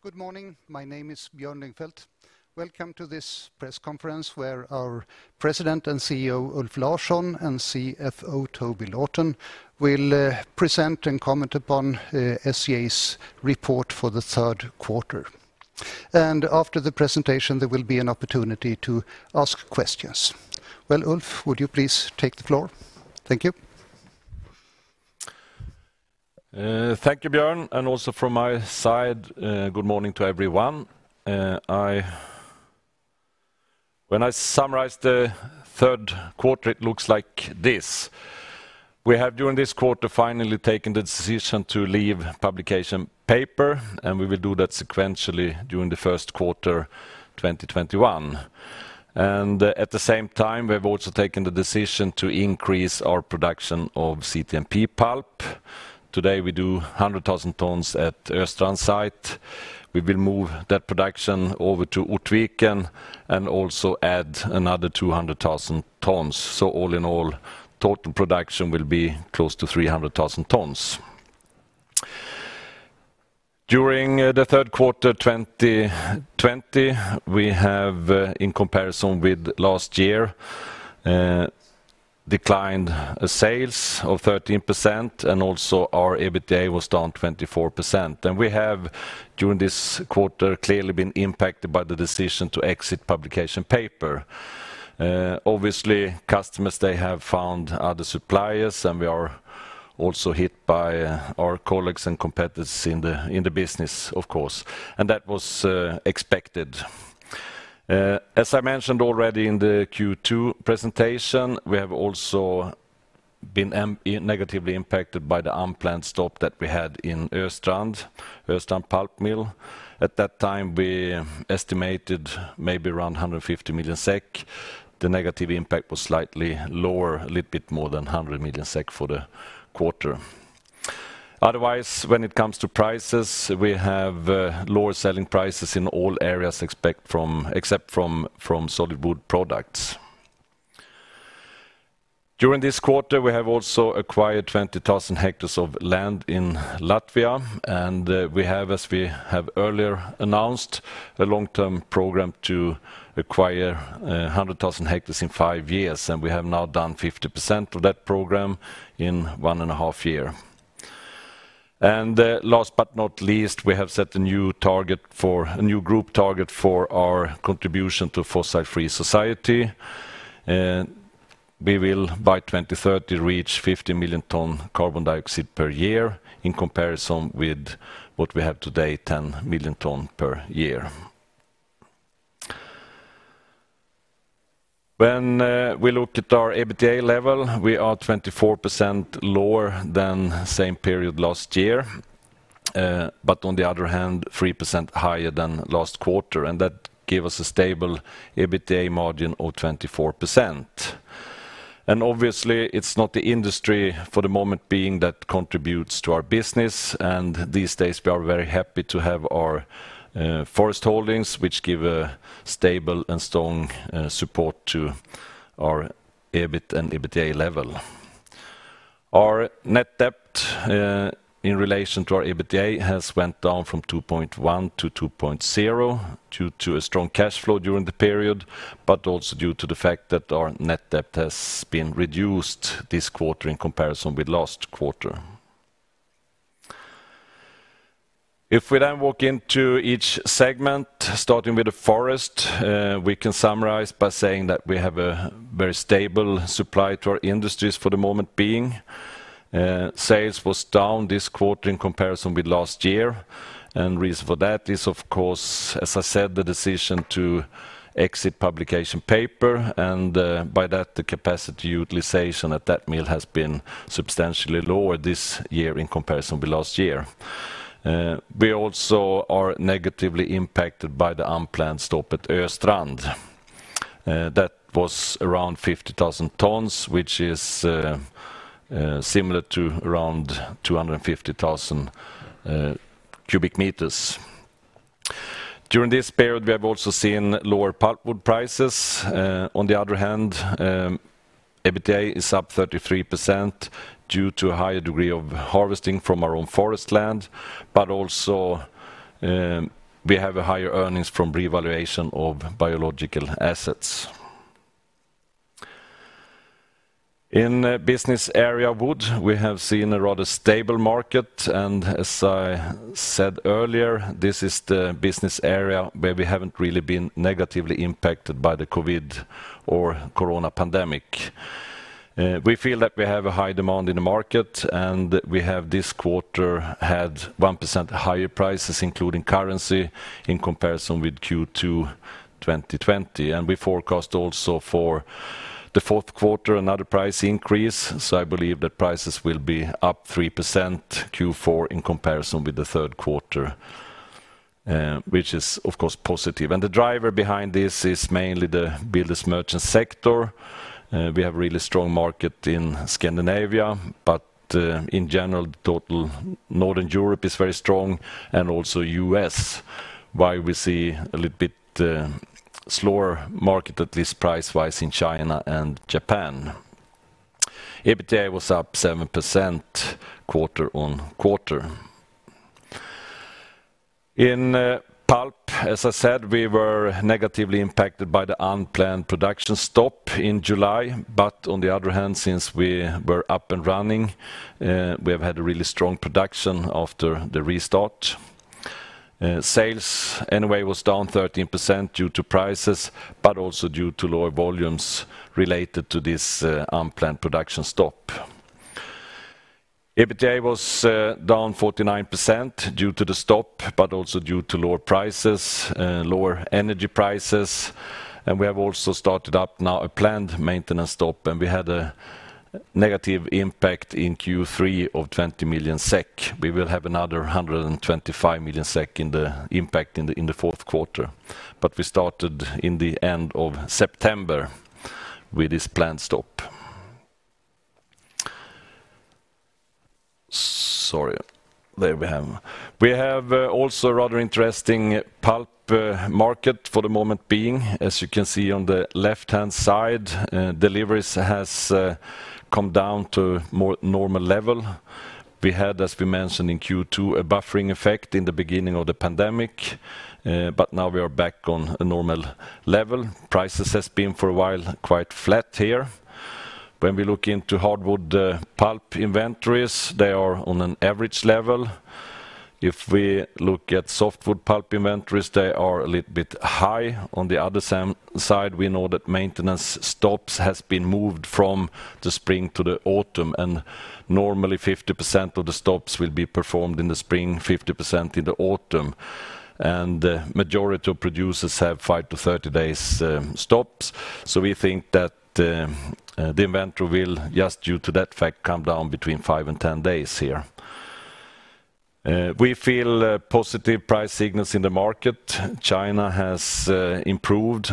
Good morning. My name is Björn Lyngfelt. Welcome to this press conference where our President and CEO, Ulf Larsson, and CFO, Toby Lawton, will present and comment upon SCA's report for the third quarter. After the presentation, there will be an opportunity to ask questions. Ulf, would you please take the floor? Thank you. Thank you, Björn, and also from my side, good morning to everyone. When I summarize the third quarter, it looks like this. We have, during this quarter, finally taken the decision to leave publication paper, and we will do that sequentially during the first quarter 2021. At the same time, we have also taken the decision to increase our production of CTMP pulp. Today, we do 100,000 tons at Östrand site. We will move that production over to Ortviken and also add another 200,000 tons. All in all, total production will be close to 300,000 tons. During the third quarter 2020, we have, in comparison with last year, declined sales of 13%, and also our EBITDA was down 24%. We have, during this quarter, clearly been impacted by the decision to exit publication paper. Obviously, customers, they have found other suppliers. We are also hit by our colleagues and competitors in the business, of course. That was expected. As I mentioned already in the Q2 presentation, we have also been negatively impacted by the unplanned stop that we had in Östrand pulp mill. At that time, we estimated maybe around 150 million SEK. The negative impact was slightly lower, a little bit more than 100 million SEK for the quarter. Otherwise, when it comes to prices, we have lower selling prices in all areas except from solid-wood products. During this quarter, we have also acquired 20,000 hectares of land in Latvia. We have, as we have earlier announced, a long-term program to acquire 100,000 hectares in five years. We have now done 50% of that program in one and a half year. Last but not least, we have set a new group target for our contribution to fossil-free society. We will, by 2030, reach 50 million tons carbon dioxide per year in comparison with what we have today, 10 million ton per year. When we look at our EBITDA level, we are 24% lower than same period last year, but on the other hand, 3% higher than last quarter, and that gave us a stable EBITDA margin of 24%. Obviously, it's not the industry for the moment being that contributes to our business, and these days, we are very happy to have our forest holdings, which give a stable and strong support to our EBIT and EBITDA level. Our net debt, in relation to our EBITDA, has went down from 2.1-2.0 due to a strong cash flow during the period, but also due to the fact that our net debt has been reduced this quarter in comparison with last quarter. If we walk into each segment, starting with the forest, we can summarize by saying that we have a very stable supply to our industries for the moment being. Sales was down this quarter in comparison with last year. Reason for that is, of course, as I said, the decision to exit publication paper, and by that, the capacity utilization at that mill has been substantially lower this year in comparison with last year. We also are negatively impacted by the unplanned stop at Östrand. That was around 50,000 tons, which is similar to around 250,000 cubic meters. During this period, we have also seen lower pulpwood prices. EBITDA is up 33% due to a higher degree of harvesting from our own forest land. Also, we have a higher earnings from revaluation of biological assets. In business area wood, we have seen a rather stable market, and as I said earlier, this is the business area where we haven't really been negatively impacted by the COVID or corona pandemic. We feel that we have a high demand in the market, and we have this quarter had 1% higher prices, including currency, in comparison with Q2 2020. We forecast also for the fourth quarter, another price increase, so I believe that prices will be up 3% Q4 in comparison with the third quarter, which is, of course, positive. The driver behind this is mainly the builders merchant sector. We have really strong market in Scandinavia, in general, total Northern Europe is very strong and also U.S., while we see a little bit slower market, at least price-wise, in China and Japan. EBITDA was up 7% quarter-on-quarter. In pulp, as I said, we were negatively impacted by the unplanned production stop in July, on the other hand, since we were up and running, we have had a really strong production after the restart. Sales anyway were down 13% due to prices, also due to lower volumes related to this unplanned production stop. EBITDA was down 49% due to the stop, also due to lower prices, lower energy prices. We have also started up now a planned maintenance stop, and we had a negative impact in Q3 of 20 million SEK. We will have another 125 million SEK impact in the fourth quarter. We started in the end of September with this planned stop. Sorry. There we have. We have also a rather interesting pulp market for the moment being. As you can see on the left-hand side, deliveries have come down to more normal level. We had, as we mentioned in Q2, a buffering effect in the beginning of the pandemic, but now we are back on a normal level. Prices have been for a while quite flat here. When we look into hardwood pulp inventories, they are on an average level. If we look at softwood pulp inventories, they are a little bit high. On the other side, we know that maintenance stops have been moved from the spring to the autumn, and normally 50% of the stops will be performed in the spring, 50% in the autumn. Majority of producers have five to 30 days stops. We think that the inventory will, just due to that fact, come down between 5 and 10 days here. We feel positive price signals in the market. China has improved,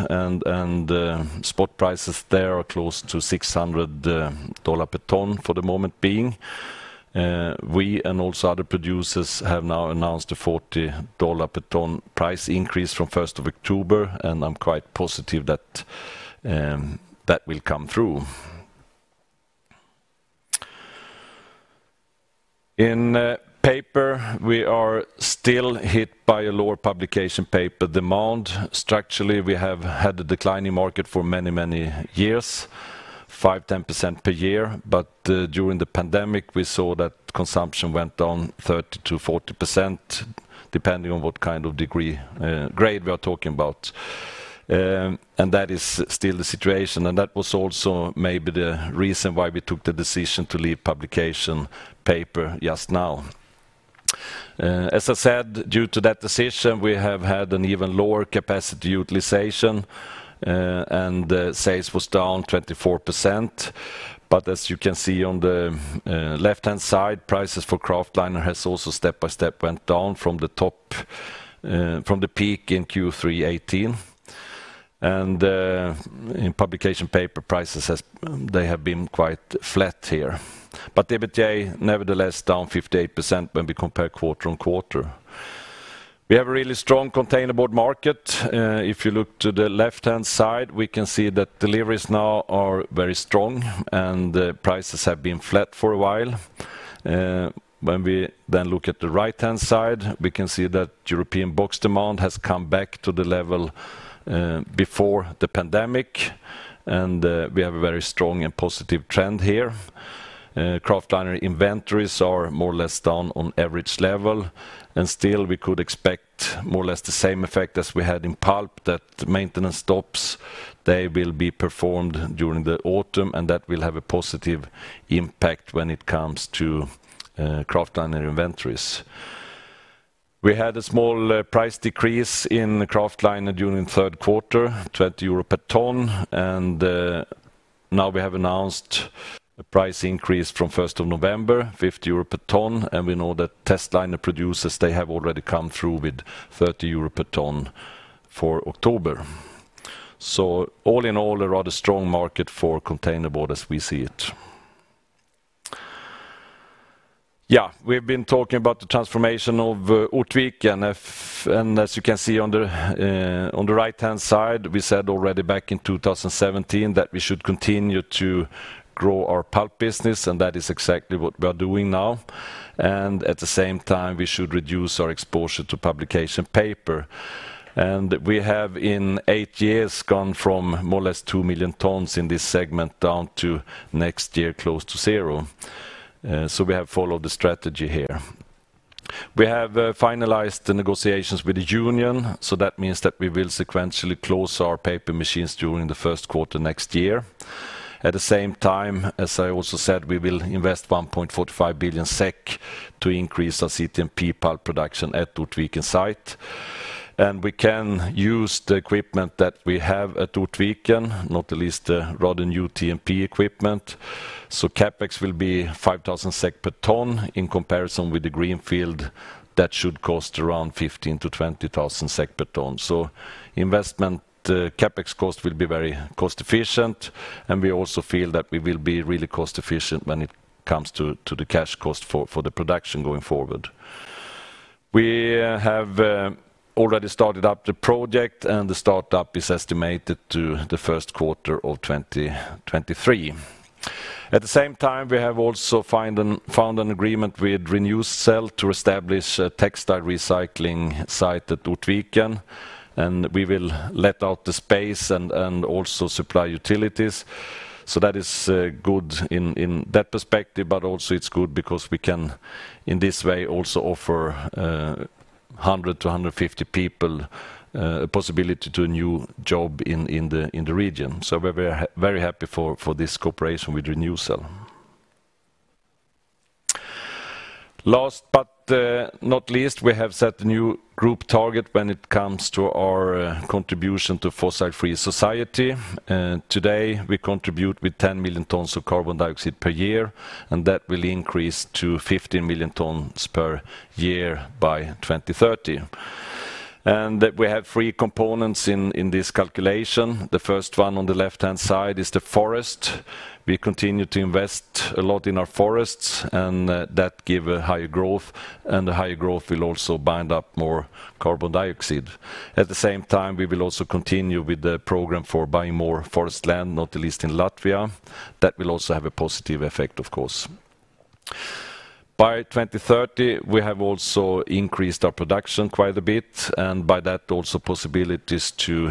spot prices there are close to $600 per ton for the moment being. We and also other producers have now announced a $40 per ton price increase from 1st of October, I am quite positive that will come through. In paper, we are still hit by a lower publication paper demand. Structurally, we have had a declining market for many, many years, 5%-10% per year. During the pandemic, we saw that consumption went down 30%-40%, depending on what kind of paper grade we are talking about. That is still the situation, that was also maybe the reason why we took the decision to leave publication paper just now. As I said, due to that decision, we have had an even lower capacity utilization, and sales were down 24%. As you can see on the left-hand side, prices for kraftliner has also step by step went down from the peak in Q3 2018. In publication paper, prices have been quite flat here. EBITDA, nevertheless, down 58% when we compare quarter-on-quarter. We have a really strong containerboard market. If you look to the left-hand side, we can see that deliveries now are very strong, and prices have been flat for a while. When we then look at the right-hand side, we can see that European box demand has come back to the level before the pandemic, and we have a very strong and positive trend here. Kraftliner inventories are more or less down on average level, and still we could expect more or less the same effect as we had in pulp, that maintenance stops, they will be performed during the autumn, and that will have a positive impact when it comes to kraftliner inventories. We had a small price decrease in the kraftliner during the third quarter, 20 euro per ton. Now we have announced a price increase from 1st of November, 50 euro per ton. We know that testliner producers, they have already come through with 30 euro per ton for October. All in all, a rather strong market for containerboard as we see it. We've been talking about the transformation of Ortviken. As you can see on the right-hand side, we said already back in 2017 that we should continue to grow our pulp business. That is exactly what we are doing now. At the same time, we should reduce our exposure to publication paper. We have, in eight years, gone from more or less 2 million tons in this segment down to next year, close to zero. We have followed the strategy here. We have finalized the negotiations with the union, that means that we will sequentially close our paper machines during the first quarter next year. At the same time, as I also said, we will invest 1.45 billion SEK to increase our CTMP pulp production at Ortviken site. We can use the equipment that we have at Ortviken, not least the rather new TMP equipment. CapEx will be 5,000 SEK per ton. In comparison with the greenfield, that should cost around 15,000-20,000 SEK per ton. Investment CapEx cost will be very cost-efficient, and we also feel that we will be really cost-efficient when it comes to the cash cost for the production going forward. We have already started up the project, and the startup is estimated to the first quarter of 2023. At the same time, we have also found an agreement with Renewcell to establish a textile recycling site at Ortviken, and we will let out the space and also supply utilities. That is good in that perspective, but also it's good because we can, in this way, also offer 100-150 people a possibility to a new job in the region. We're very happy for this cooperation with Renewcell. Last but not least, we have set a new group target when it comes to our contribution to fossil-free society. Today, we contribute with 10 million tons of carbon dioxide per year, and that will increase to 15 million tons per year by 2030. We have three components in this calculation. The first one on the left-hand side is the forest. We continue to invest a lot in our forests, and that give a higher growth, and the higher growth will also bind up more carbon dioxide. At the same time, we will also continue with the program for buying more forest land, not least in Latvia. That will also have a positive effect, of course. By 2030, we have also increased our production quite a bit, and by that, also possibilities to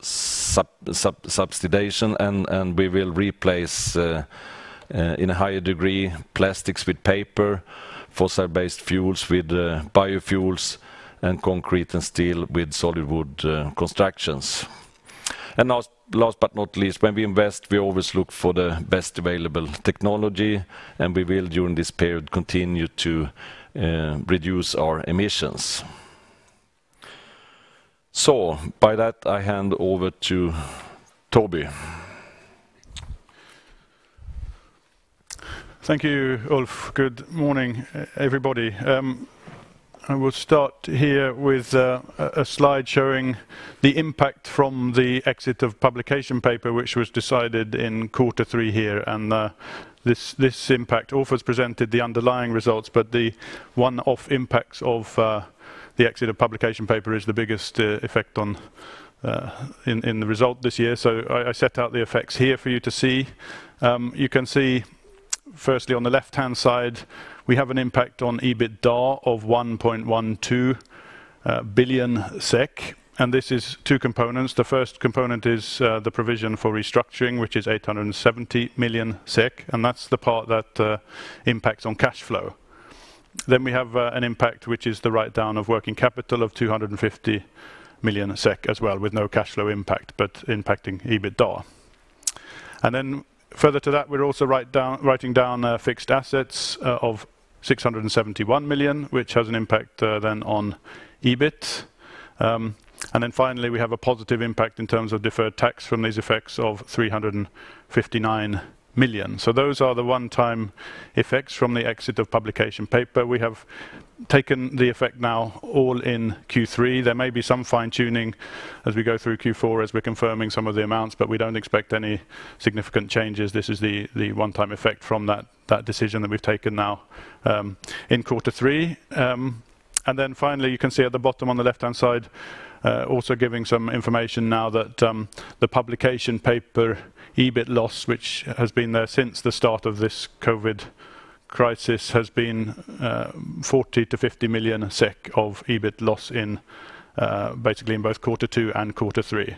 subsidization, and we will replace, in a higher degree, plastics with paper, fossil-based fuels with biofuels, and concrete and steel with solid wood constructions. Last but not least, when we invest, we always look for the best available technology, and we will, during this period, continue to reduce our emissions. By that, I hand over to Toby. Thank you, Ulf. Good morning, everybody. I will start here with a slide showing the impact from the exit of publication paper, which was decided in quarter three here. This impact, Ulf has presented the underlying results, but the one-off impacts of the exit of publication paper is the biggest effect in the result this year. I set out the effects here for you to see. You can see, firstly, on the left-hand side, we have an impact on EBITDA of 1.12 billion SEK. This is two components. The first component is the provision for restructuring, which is 870 million SEK. That's the part that impacts on cash flow. We have an impact, which is the write-down of working capital of 250 million SEK as well, with no cash flow impact, but impacting EBITDA. Then further to that, we're also writing down fixed assets of 671 million, which has an impact then on EBIT. Then finally, we have a positive impact in terms of deferred tax from these effects of 359 million. Those are the one-time effects from the exit of publication paper. We have taken the effect now all in Q3. There may be some fine-tuning as we go through Q4, as we're confirming some of the amounts, but we don't expect any significant changes. This is the one-time effect from that decision that we've taken now in quarter three. Finally, you can see at the bottom on the left-hand side, also giving some information now that the publication paper, EBIT loss, which has been there since the start of this COVID crisis, has been 40 million to 50 million of EBIT loss basically in both Q2 and Q3.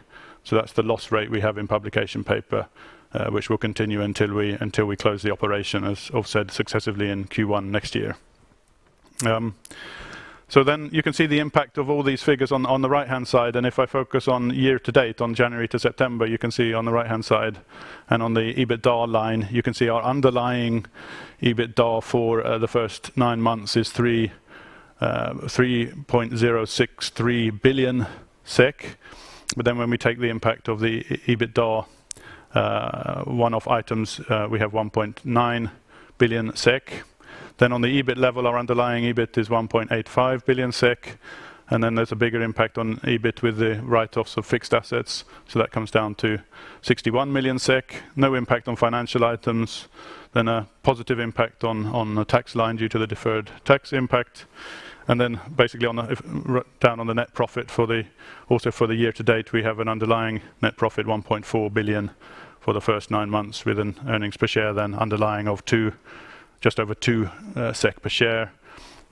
That's the loss rate we have in publication paper, which will continue until we close the operation, as Ulf said, successively in Q1 next year. Then you can see the impact of all these figures on the right-hand side. If I focus on year to date, on January to September, you can see on the right-hand side and on the EBITDA line, you can see our underlying EBITDA for the first nine months is 3.063 billion SEK. When we take the impact of the EBITDA one-off items, we have 1.9 billion SEK. On the EBIT level, our underlying EBIT is 1.85 billion SEK. There's a bigger impact on EBIT with the write-offs of fixed assets, so that comes down to 61 million SEK. No impact on financial items. A positive impact on the tax line due to the deferred tax impact. Basically down on the net profit also for the year to date, we have an underlying net profit, 1.4 billion for the first nine months, with an earnings per share then underlying of just over two SEK per share.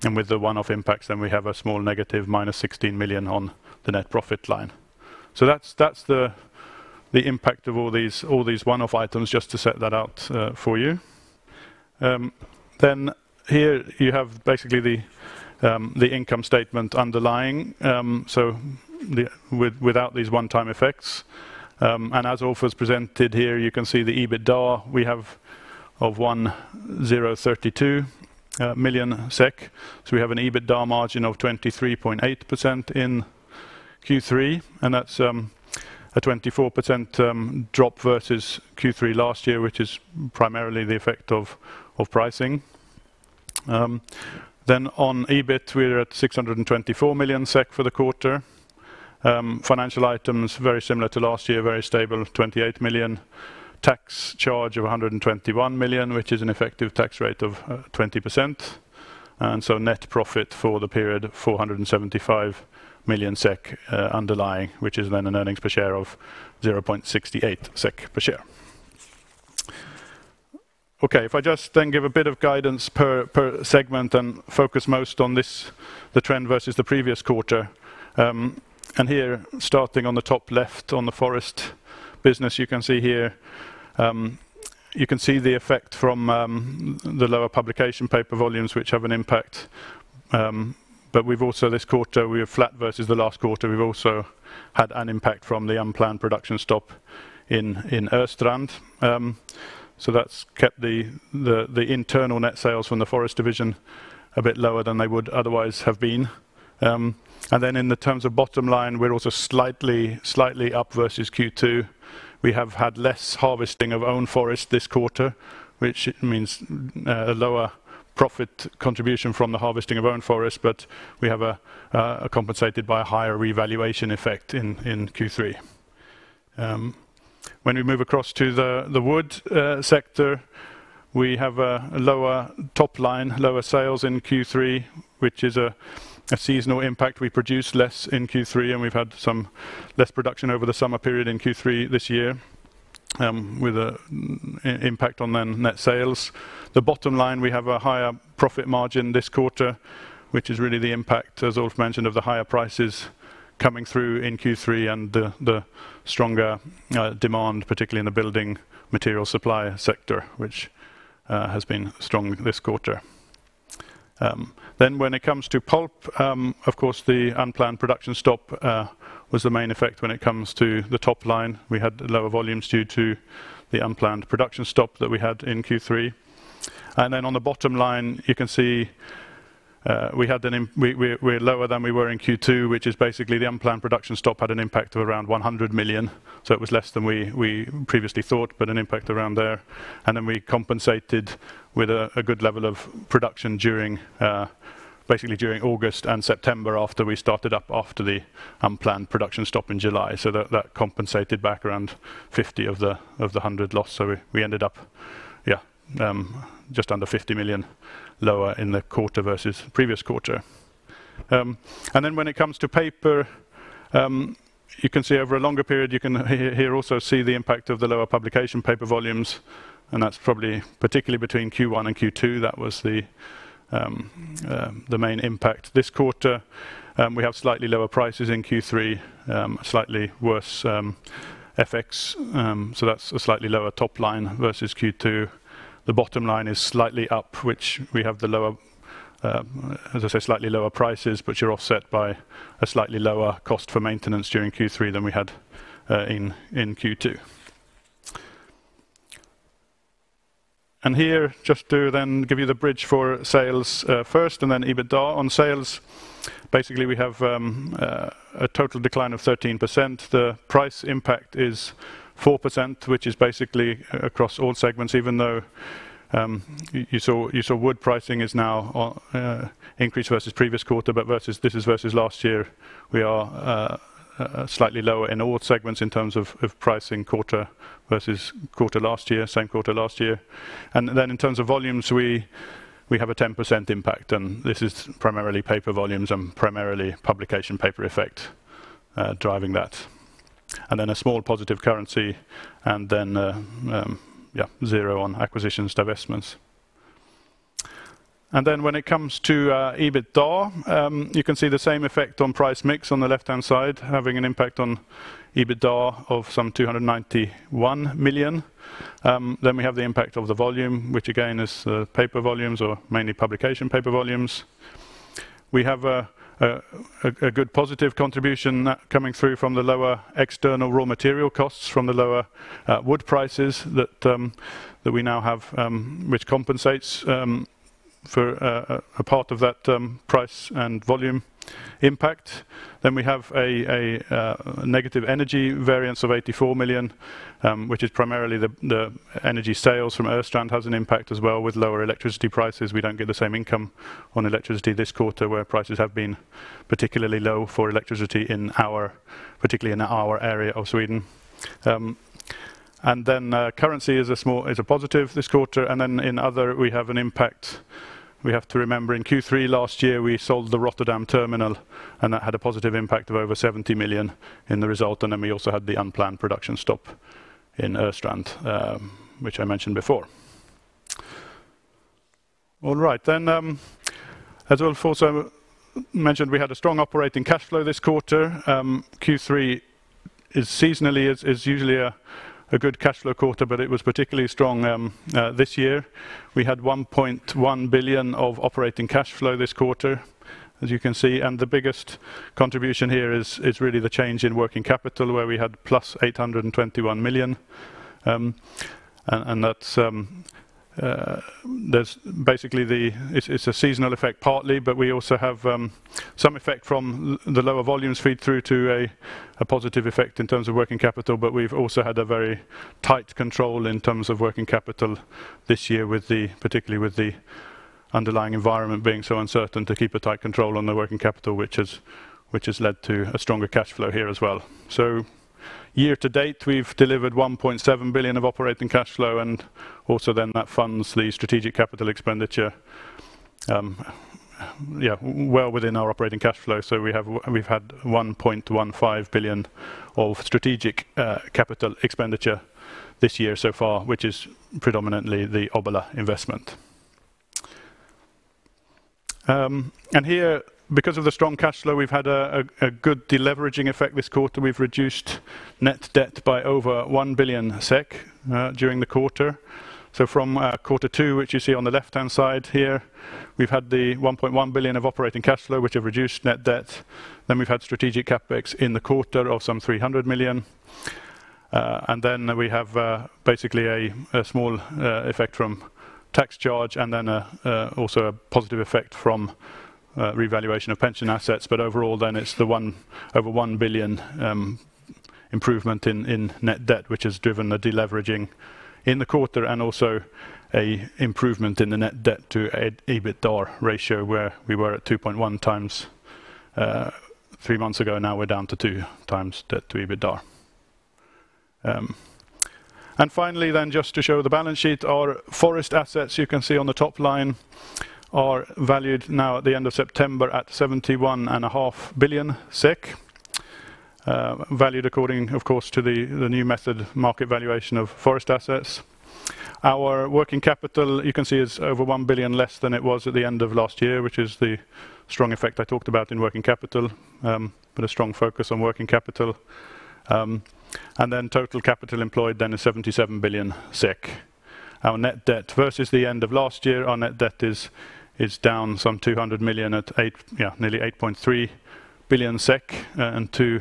With the one-off impacts, we have a small negative, minus 16 million on the net profit line. That's the impact of all these one-off items, just to set that out for you. Here you have basically the income statement underlying, without these one-time effects. As Ulf has presented here, you can see the EBITDA we have of 1,032 million SEK. We have an EBITDA margin of 23.8% in Q3, and that's a 24% drop versus Q3 last year, which is primarily the effect of pricing. Then on EBIT, we're at 624 million SEK for the quarter. Financial items, very similar to last year, very stable, 28 million. Tax charge of 121 million, which is an effective tax rate of 20%. Net profit for the period, 475 million SEK underlying, which is an earnings per share of 0.68 SEK per share. Okay. If I just give a bit of guidance per segment and focus most on the trend versus the previous quarter. Here, starting on the top left on the forest business, you can see the effect from the lower publication paper volumes, which have an impact. We've also, this quarter, we are flat versus the last quarter. We've also had an impact from the unplanned production stop in Östrand. That's kept the internal net sales from the forest division a bit lower than they would otherwise have been. In the terms of bottom line, we're also slightly up versus Q2. We have had less harvesting of own forest this quarter, which means a lower profit contribution from the harvesting of own forest, but we have compensated by a higher revaluation effect in Q3. When we move across to the woods sector, we have a lower top line, lower sales in Q3, which is a seasonal impact. We produce less in Q3, and we've had some less production over the summer period in Q3 this year, with an impact on then net sales. The bottom line, we have a higher profit margin this quarter, which is really the impact, as Ulf mentioned, of the higher prices coming through in Q3 and the stronger demand, particularly in the building material supply sector, which has been strong this quarter. When it comes to pulp, of course, the unplanned production stop was the main effect when it comes to the top line. We had lower volumes due to the unplanned production stop that we had in Q3. On the bottom line, you can see we are lower than we were in Q2, which is basically the unplanned production stop had an impact of around 100 million. It was less than we previously thought, but an impact around there. We compensated with a good level of production basically during August and September after we started up after the unplanned production stop in July. That compensated back around 50 of the 100 loss. We ended up just under 50 million lower in the quarter versus the previous quarter. When it comes to paper, you can see over a longer period, you can here also see the impact of the lower publication paper volumes, and that's probably particularly between Q1 and Q2. That was the main impact. This quarter, we have slightly lower prices in Q3, slightly worse FX. That's a slightly lower top line versus Q2. The bottom line is slightly up, which we have, as I say, slightly lower prices, but you're offset by a slightly lower cost for maintenance during Q3 than we had in Q2. Here, just to then give you the bridge for sales first and then EBITDA on sales. Basically, we have a total decline of 13%. The price impact is 4%, which is basically across all segments, even though you saw wood pricing is now increased versus previous quarter, but this is versus last year. We are slightly lower in all segments in terms of pricing quarter versus same quarter last year. Then in terms of volumes, we have a 10% impact, and this is primarily paper volumes and primarily publication paper effect driving that. Then a small positive currency, and then zero on acquisitions, divestments. Then when it comes to EBITDA, you can see the same effect on price mix on the left-hand side, having an impact on EBITDA of some 291 million. We have the impact of the volume, which again is paper volumes or mainly publication paper volumes. We have a good positive contribution coming through from the lower external raw material costs from the lower wood prices that we now have, which compensates for a part of that price and volume impact. We have a negative energy variance of 84 million, which is primarily the energy sales from Östrand has an impact as well with lower electricity prices. We don't get the same income on electricity this quarter where prices have been particularly low for electricity, particularly in our area of Sweden. Currency is a positive this quarter. In other, we have an impact. We have to remember in Q3 last year, we sold the Rotterdam terminal, and that had a positive impact of over 70 million in the result. We also had the unplanned production stop in Östrand, which I mentioned before. All right. As Ulf also mentioned, we had a strong operating cash flow this quarter. Q3 seasonally is usually a good cash flow quarter, but it was particularly strong this year. We had 1.1 billion of operating cash flow this quarter, as you can see. The biggest contribution here is really the change in working capital, where we had plus 821 million. That's basically a seasonal effect partly, but we also have some effect from the lower volumes feed through to a positive effect in terms of working capital. We've also had a very tight control in terms of working capital this year, particularly with the underlying environment being so uncertain to keep a tight control on the working capital, which has led to a stronger cash flow here as well. Year to date, we've delivered 1.7 billion of operating cash flow, and also then that funds the strategic capital expenditure. Well within our operating cash flow. We've had 1.15 billion of strategic capital expenditure this year so far, which is predominantly the Obbola investment. Here, because of the strong cash flow, we've had a good de-leveraging effect this quarter. We've reduced net debt by over 1 billion SEK during the quarter. From quarter two, which you see on the left-hand side here, we've had the 1.1 billion of operating cash flow, which have reduced net debt. We've had strategic CapEx in the quarter of some 300 million. We have basically a small effect from tax charge and then also a positive effect from revaluation of pension assets. Overall it's the over 1 billion improvement in net debt, which has driven a deleveraging in the quarter and also a improvement in the net debt to EBITDA ratio, where we were at 2.1 times three months ago. Now we're down to two times debt to EBITDA. Finally, just to show the balance sheet, our forest assets, you can see on the top line, are valued now at the end of September at 71.5 billion SEK. Valued according, of course, to the new method, market valuation of forest assets. Our working capital, you can see, is over 1 billion less than it was at the end of last year, which is the strong effect I talked about in working capital, but a strong focus on working capital. Total capital employed then is 77 billion. Our net debt versus the end of last year, our net debt is down some 200 million at nearly 8.3 billion SEK and two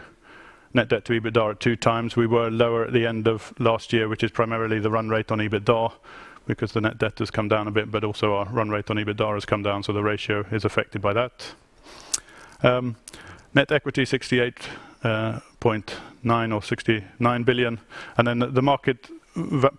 net debt to EBITDA at two times. We were lower at the end of last year, which is primarily the run rate on EBITDA, because the net debt has come down a bit, but also our run rate on EBITDA has come down, so the ratio is affected by that. Net equity 68.9 or 69 billion. The market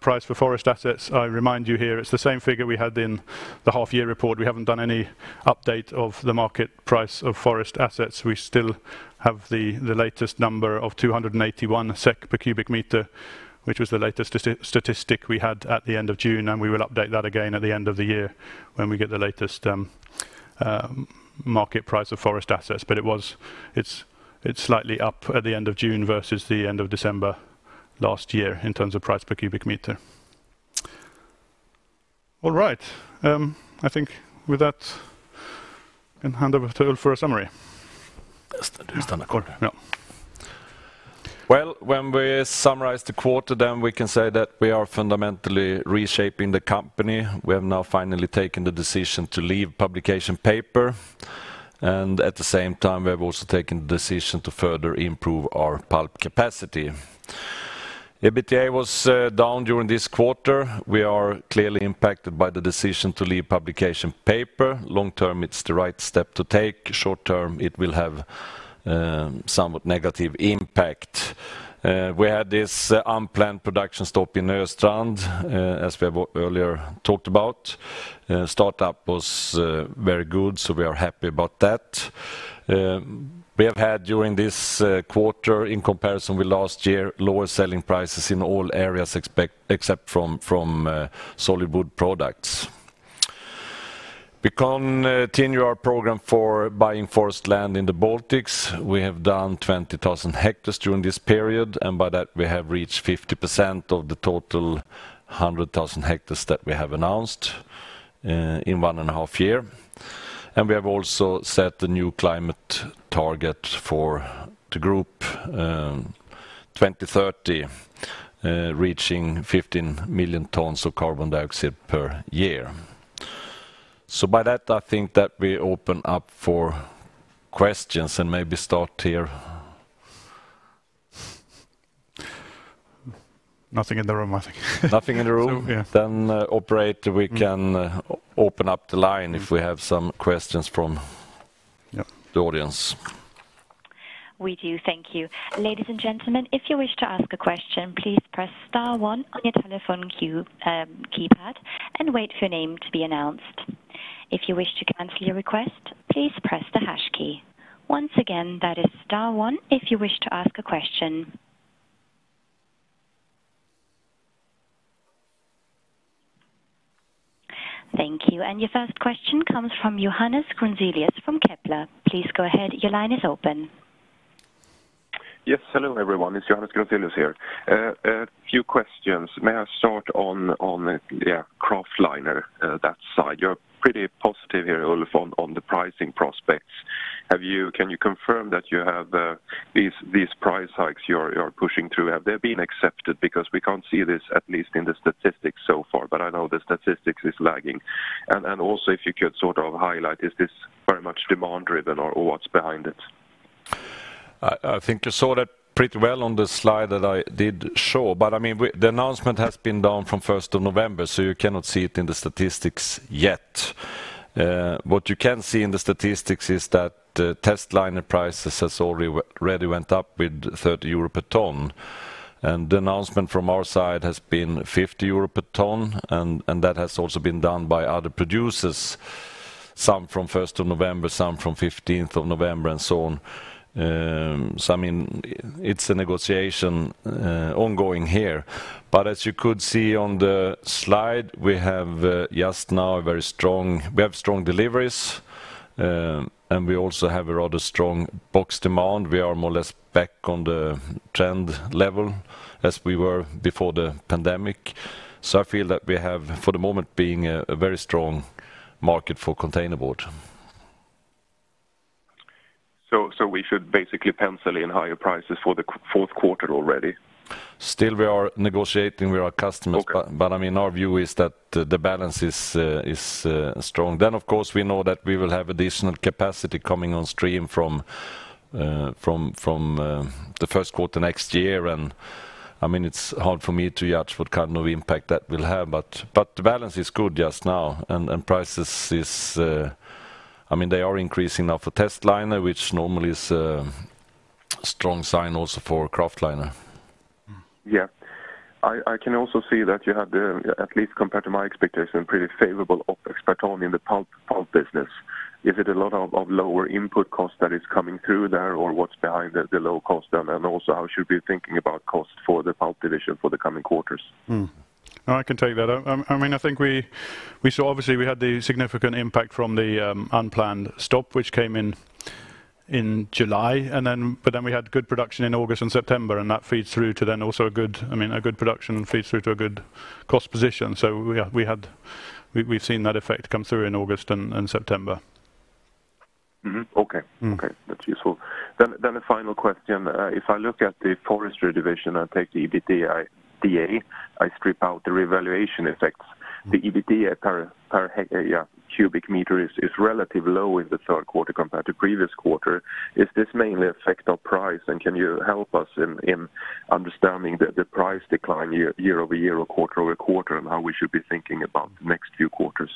price for forest assets, I remind you here, it's the same figure we had in the half year report. We haven't done any update of the market price of forest assets. We still have the latest number of 281 SEK per cubic meter, which was the latest statistic we had at the end of June, and we will update that again at the end of the year when we get the latest market price of forest assets. It's slightly up at the end of June versus the end of December last year in terms of price per cubic meter. All right. I think with that I hand over to Ulf for a summary. Best I stand up, or? No. Well, when we summarize the quarter, we can say that we are fundamentally reshaping the company. We have now finally taken the decision to leave publication paper, and at the same time, we have also taken the decision to further improve our pulp capacity. EBITDA was down during this quarter. We are clearly impacted by the decision to leave publication paper. Long term, it's the right step to take. Short term, it will have somewhat negative impact. We had this unplanned production stop in Östrand, as we have earlier talked about. Startup was very good, so we are happy about that. We have had, during this quarter, in comparison with last year, lower selling prices in all areas except from solid-wood products. We continue our program for buying forest land in the Baltics. We have done 20,000 hectares during this period. By that we have reached 50% of the total 100,000 hectares that we have announced in one and a half year. We have also set the new climate target for the group, 2030, reaching 15 million tons of carbon dioxide per year. By that, I think that we open up for questions and maybe start here. Nothing in the room, I think. Nothing in the room? Yeah. Operator, we can open up the line if we have some questions from- Yep. ...the audience. We do. Thank you. Ladies and gentlemen, if you wish to ask a question, please press star one on your telephone keypad, and wait for your name to be announced. If you wish to cancel your request, please press the hash key. Once again, that is star one if you wish to ask a question. Thank you. Your first question comes from Johannes Grunselius from Kepler. Please go ahead. Your line is open. Yes. Hello, everyone. It's Johannes Grunselius here. A few questions. May I start on the kraftliner, that side? You're pretty positive here, Ulf, on the pricing prospects. Can you confirm that you have these price hikes you're pushing through? Have they been accepted? Because we can't see this, at least in the statistics so far, but I know the statistics is lagging. Also if you could sort of highlight, is this very much demand-driven or what's behind it? I think you saw that pretty well on the slide that I did show, I mean, the announcement has been down from 1st of November, so you cannot see it in the statistics yet. What you can see in the statistics is that the testliner prices has already went up with 30 euro per ton. The announcement from our side has been 50 euro per ton, that has also been done by other producers. Some from 1st of November, some from 15th of November, so on. It's an ongoing negotiation here. As you could see on the slide, we have strong deliveries. We also have a rather strong box demand. We are more or less back on the trend level as we were before the pandemic. I feel that we have, for the moment, a very strong market for containerboard. We should basically pencil in higher prices for the fourth quarter already? Still we are negotiating with our customers. Okay. Our view is that the balance is strong. Of course, we know that we will have additional capacity coming on stream from the first quarter next year. It's hard for me to judge what kind of impact that will have, but the balance is good just now. Prices are increasing now for testliner, which normally is a strong sign also for kraftliner. Yeah. I can also see that you had, at least compared to my expectation, pretty favorable operating profit in the pulp business. Is it a lot of lower input cost that is coming through there, or what's behind the low cost? Also how should we be thinking about cost for the pulp division for the coming quarters? I can take that. Obviously, we had the significant impact from the unplanned stop, which came in July. We had good production in August and September, and a good production feeds through to a good cost position. We've seen that effect come through in August and September. Okay. That's useful. The final question. If I look at the forestry division, I take the EBITDA, I strip out the revaluation effects. The EBITDA per cubic meter is relatively low in the third quarter compared to previous quarter. Is this mainly effect of price, and can you help us in understanding the price decline year-over-year or quarter-over-quarter, and how we should be thinking about the next few quarters?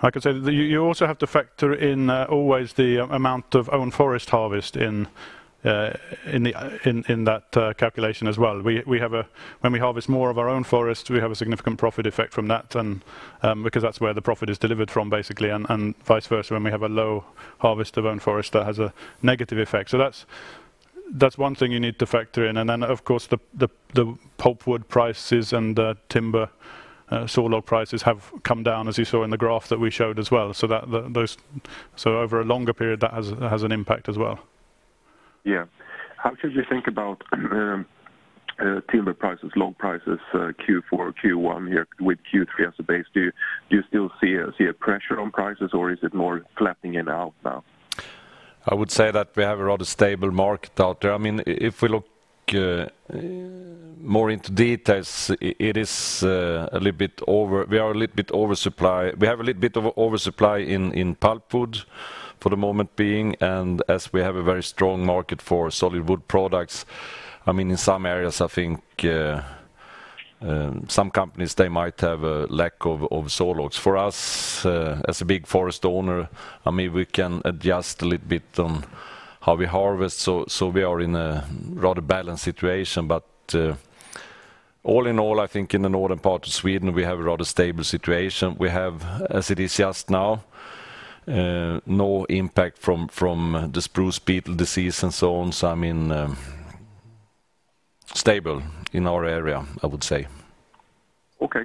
I can say that you also have to factor in always the amount of own forest harvest in that calculation as well. When we harvest more of our own forest, we have a significant profit effect from that, because that's where the profit is delivered from, basically, and vice versa, when we have a low harvest of own forest, that has a negative effect. That's one thing you need to factor in. Then, of course, the pulpwood prices and the timber sawlog prices have come down, as you saw in the graph that we showed as well. Over a longer period, that has an impact as well. How should you think about timber prices, log prices, Q4, Q1 here with Q3 as a base? Do you still see a pressure on prices or is it more flattening it out now? I would say that we have a rather stable market out there. We look more into details, we have a little bit of oversupply in pulpwood for the moment being. As we have a very strong market for solid-wood products, in some areas, I think some companies, they might have a lack of sawlogs. For us, as a big forest owner, we can adjust a little bit on how we harvest. We are in a rather balanced situation. All in all, I think in the northern part of Sweden, we have a rather stable situation. We have, as it is just now, no impact from the spruce beetle disease and so on. Stable in our area, I would say. Okay.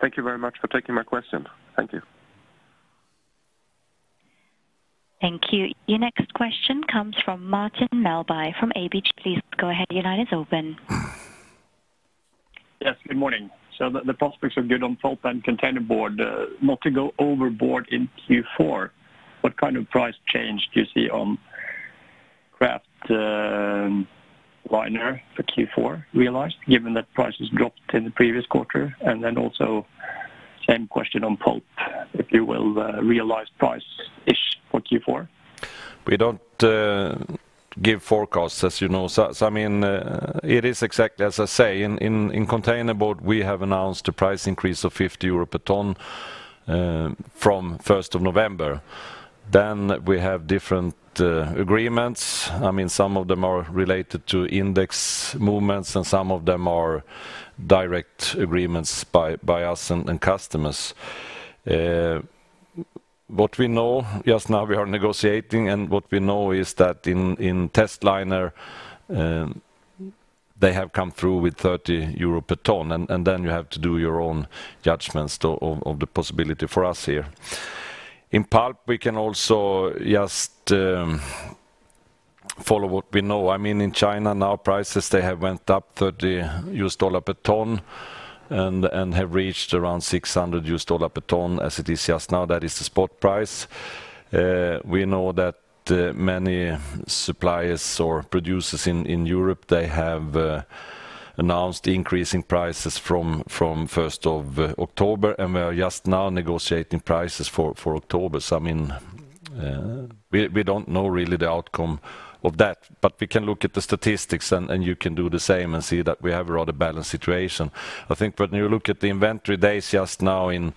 Thank you very much for taking my questions. Thank you. Thank you. Your next question comes from Martin Melbye from ABG. Please go ahead. Your line is open. Yes, good morning. The prospects are good on pulp and containerboard. Not to go overboard in Q4, what kind of price change do you see on kraftliner for Q4 realized, given that prices dropped in the previous quarter? Same question on pulp, if you will, realized price-ish for Q4? We don't give forecasts, as you know. It is exactly as I say. In containerboard, we have announced a price increase of 50 euro a ton from 1st of November. We have different agreements. Some of them are related to index movements, and some of them are direct agreements by us and customers. What we know just now we are negotiating, and what we know is that in testliner, they have come through with 30 euro per ton, and then you have to do your own judgments of the possibility for us here. In pulp, we can also just follow what we know. In China now, prices, they have went up $30 a ton and have reached around $600 a ton as it is just now. That is the spot price. We know that many suppliers or producers in Europe, they have announced increasing prices from 1st of October, and we are just now negotiating prices for October. We don't know really the outcome of that. We can look at the statistics, and you can do the same and see that we have a rather balanced situation. I think when you look at the inventory days just now in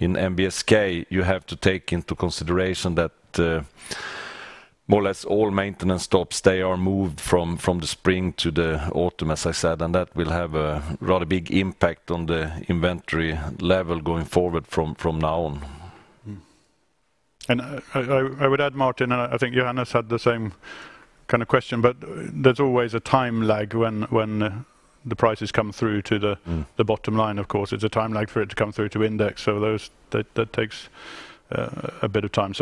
NBSK, you have to take into consideration that more or less all maintenance stops are moved from the spring to the autumn, as I said, and that will have a rather big impact on the inventory level going forward from now on. I would add, Martin, and I think Johannes had the same question, but there's always a time lag when the prices come through to the bottom line, of course. There's a time lag for it to come through to index. That takes a bit of time.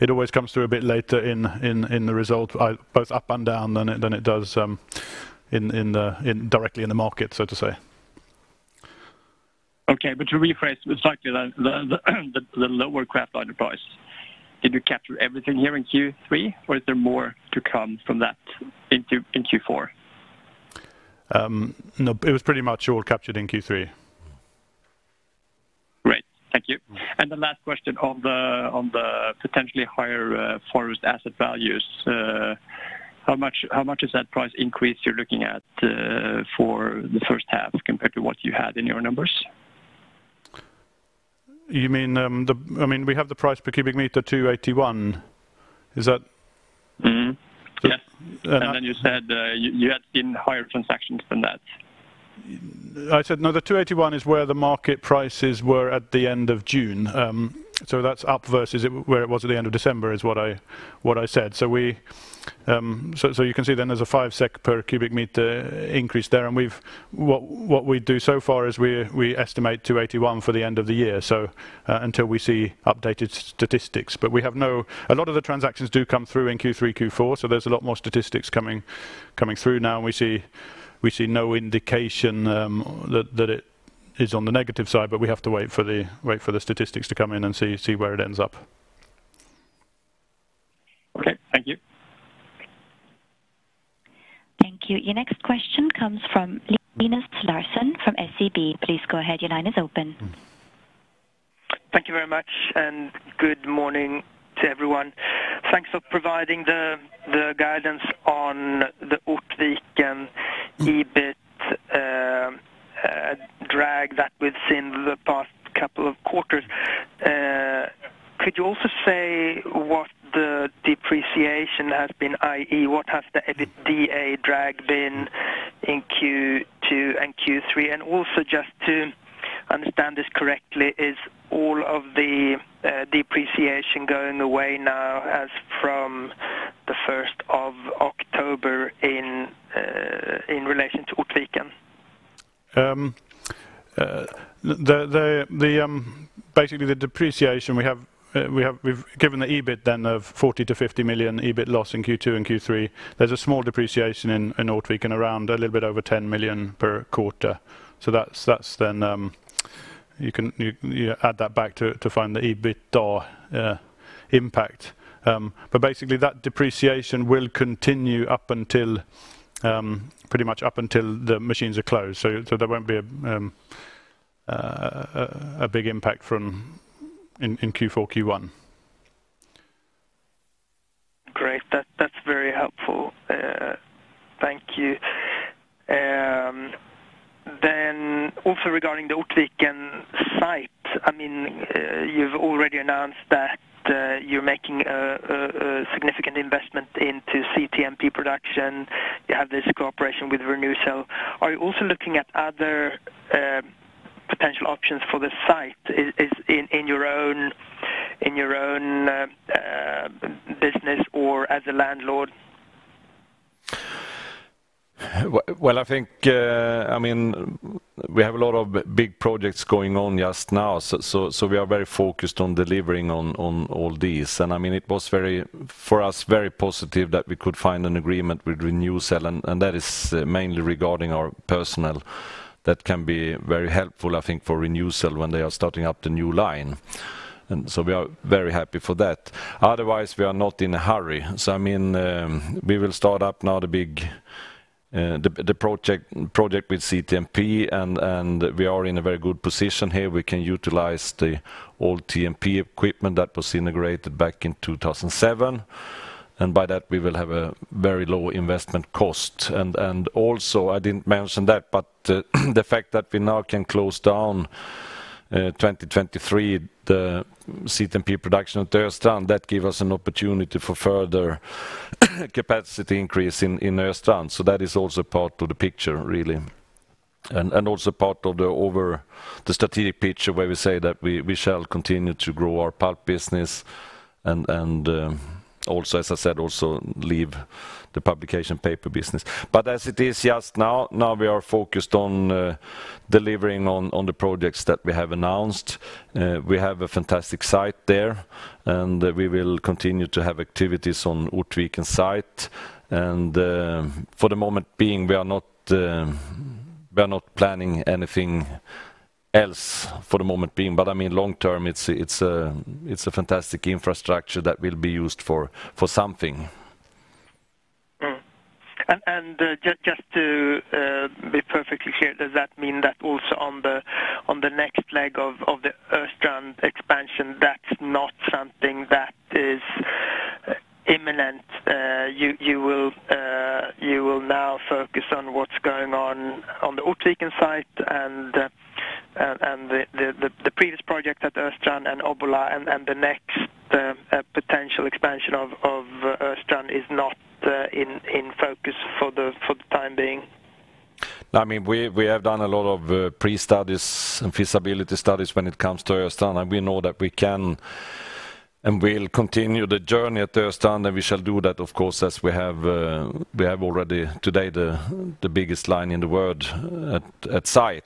It always comes through a bit later in the result, both up and down than it does directly in the market, so to say. Okay. To rephrase it slightly, the lower kraftliner price, did you capture everything here in Q3, or is there more to come from that in Q4? No, it was pretty much all captured in Q3. Great. Thank you. The last question on the potentially higher forest asset values. How much is that price increase you're looking at for the first half compared to what you had in your numbers? We have the price per cubic meter, 281. Is that Yes. You said, you had seen higher transactions than that. I said no, the 281 is where the market prices were at the end of June. That's up versus where it was at the end of December is what I said. You can see then there's a 5 SEK per cubic meter increase there. What we do so far is we estimate 281 for the end of the year, until we see updated statistics. A lot of the transactions do come through in Q3, Q4, so there's a lot more statistics coming through now, and we see no indication that it is on the negative side, but we have to wait for the statistics to come in and see where it ends up. Okay. Thank you. Thank you. Your next question comes from Linus Larsson from SEB. Please go ahead. Your line is open. Thank you very much. Good morning to everyone. Thanks for providing the guidance on the Ortviken EBIT drag that we've seen the past couple of quarters. Could you also say what the depreciation has been, i.e., what has the EBITDA drag been in Q2 and Q3? Also just to understand this correctly, is all of the depreciation going away now as from the 1st of October in relation to Ortviken? Basically, the depreciation we've given the EBIT then of 40 million-50 million EBIT loss in Q2 and Q3. There's a small depreciation in Ortviken and around a little bit over 10 million per quarter. You add that back to find the EBITDA impact. Basically, that depreciation will continue pretty much up until the machines are closed. There won't be a big impact in Q4, Q1. Great. That's very helpful. Thank you. Also regarding the Ortviken site, you've already announced that you're making a significant investment into CTMP production. You have this cooperation with Renewcell. Are you also looking at other potential options for the site in your own business or as a landlord? We have a lot of big projects going on just now, so we are very focused on delivering on all these. It was, for us, very positive that we could find an agreement with Renewcell, and that is mainly regarding our personnel that can be very helpful, I think, for Renewcell when they are starting up the new line. We are very happy for that. Otherwise, we are not in a hurry. We will start up now the project with CTMP, and we are in a very good position here. We can utilize the old TMP equipment that was integrated back in 2007, and by that we will have a very low investment cost. Also I didn't mention that, but the fact that we now can close down 2023 the CTMP production at Östrand, that give us an opportunity for further capacity increase in Östrand. That is also part of the picture, really. Also part of the strategic picture where we say that we shall continue to grow our pulp business and, as I said, also leave the publication paper business. As it is just now we are focused on delivering on the projects that we have announced. We have a fantastic site there, and we will continue to have activities on Ortviken site. For the moment being, we are not planning anything else for the moment being. Long term, it's a fantastic infrastructure that will be used for something. Just to be perfectly clear, does that mean that also on the next leg of the Östrand expansion, that's not something that is imminent? You will now focus on what's going on the Ortviken site and the previous project at Östrand and Obbola, and the next potential expansion of Östrand is not in focus for the time being? We have done a lot of pre-studies and feasibility studies when it comes to Östrand, and we know that we can and will continue the journey at Östrand, and we shall do that, of course, as we have already today the biggest line in the world at site.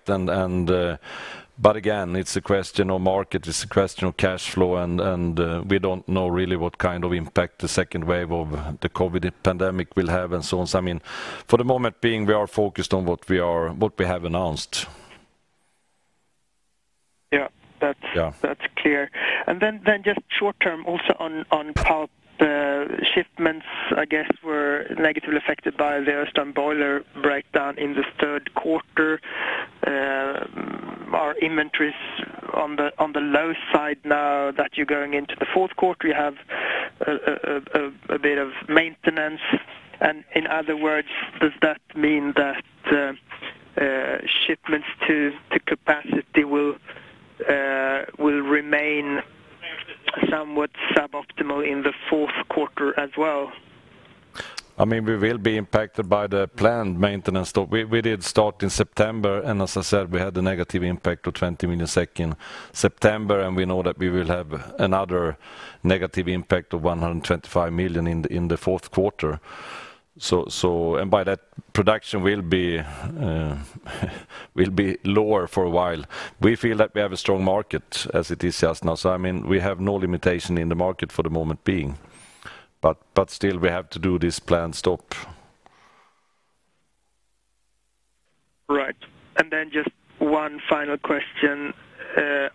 Again, it's a question of market, it's a question of cash flow, and we don't know really what kind of impact the second wave of the COVID pandemic will have and so on. For the moment being, we are focused on what we have announced. Yeah. Yeah. That's clear. Just short-term also on pulp shipments, I guess, were negatively affected by the Östrand boiler breakdown in the third quarter. Are inventories on the low side now that you're going into the fourth quarter? You have a bit of maintenance, in other words, does that mean that shipments to capacity will remain somewhat suboptimal in the fourth quarter as well? We will be impacted by the planned maintenance. We did start in September, and as I said, we had a negative impact of 20 million SEK in September, and we know that we will have another negative impact of 125 million in the fourth quarter. By that, production will be lower for a while. We feel that we have a strong market as it is just now. We have no limitation in the market for the moment being, but still we have to do this planned stop. Right. Just one final question. There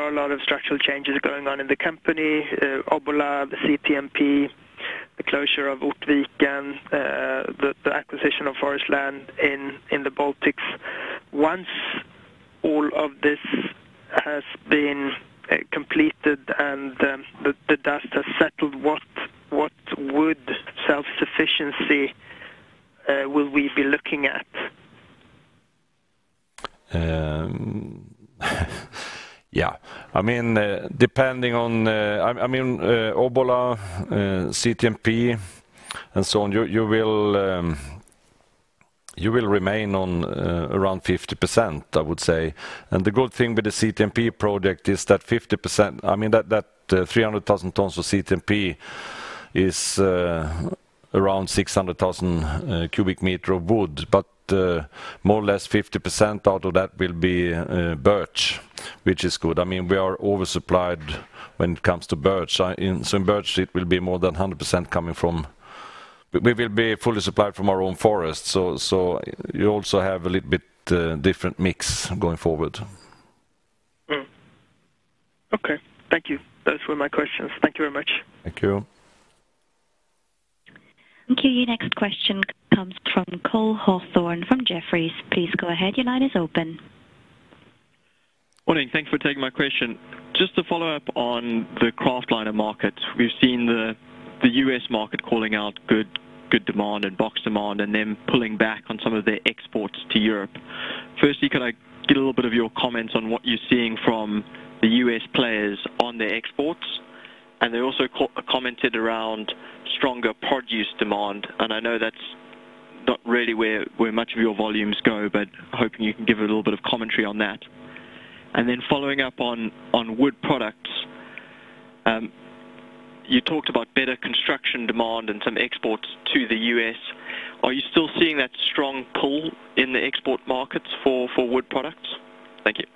are a lot of structural changes going on in the company, Obbola, the CTMP, the closure of Ortviken, and the acquisition of forest land in the Baltics. Once all of this has been completed and the dust has settled, what would self-sufficiency will we be looking at? Obbola, CTMP, and so on, you will remain on around 50%, I would say. The good thing with the CTMP project is that 50%, 300,000 tons of CTMP is around 600,000 cubic meters of wood, but more or less 50% out of that will be birch, which is good. We are over-supplied when it comes to birch. In birch, it will be more than 100%. We will be fully supplied from our own forest. You also have a little bit different mix going forward. Okay. Thank you. Those were my questions. Thank you very much. Thank you. Thank you. Your next question comes from Cole Hathorn from Jefferies. Please go ahead. Your line is open. Morning. Thanks for taking my question. Just to follow up on the kraftliner market, we've seen the U.S. market calling out good demand and box demand and them pulling back on some of their exports to Europe. Could I get a little bit of your comments on what you're seeing from the U.S. players on their exports? They also commented around stronger produce demand, and I know that's not really where much of your volumes go, but hoping you can give a little bit of commentary on that. Following up on wood products, you talked about better construction demand and some exports to the U.S. Are you still seeing that strong pull in the export markets for wood products? Thank you.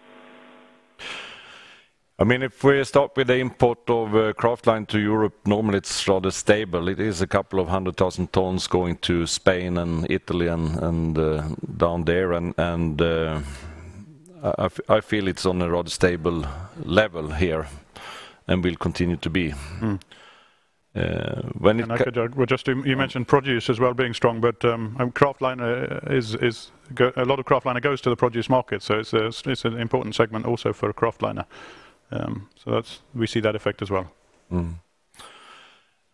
If we start with the import of kraftliner to Europe, normally it's rather stable. It is a couple of 100,000 tons going to Spain and Italy and down there, I feel it's on a rather stable level here and will continue to be. You mentioned produce as well being strong, but a lot of kraftliner goes to the produce market, so it's an important segment also for kraftliner. We see that effect as well.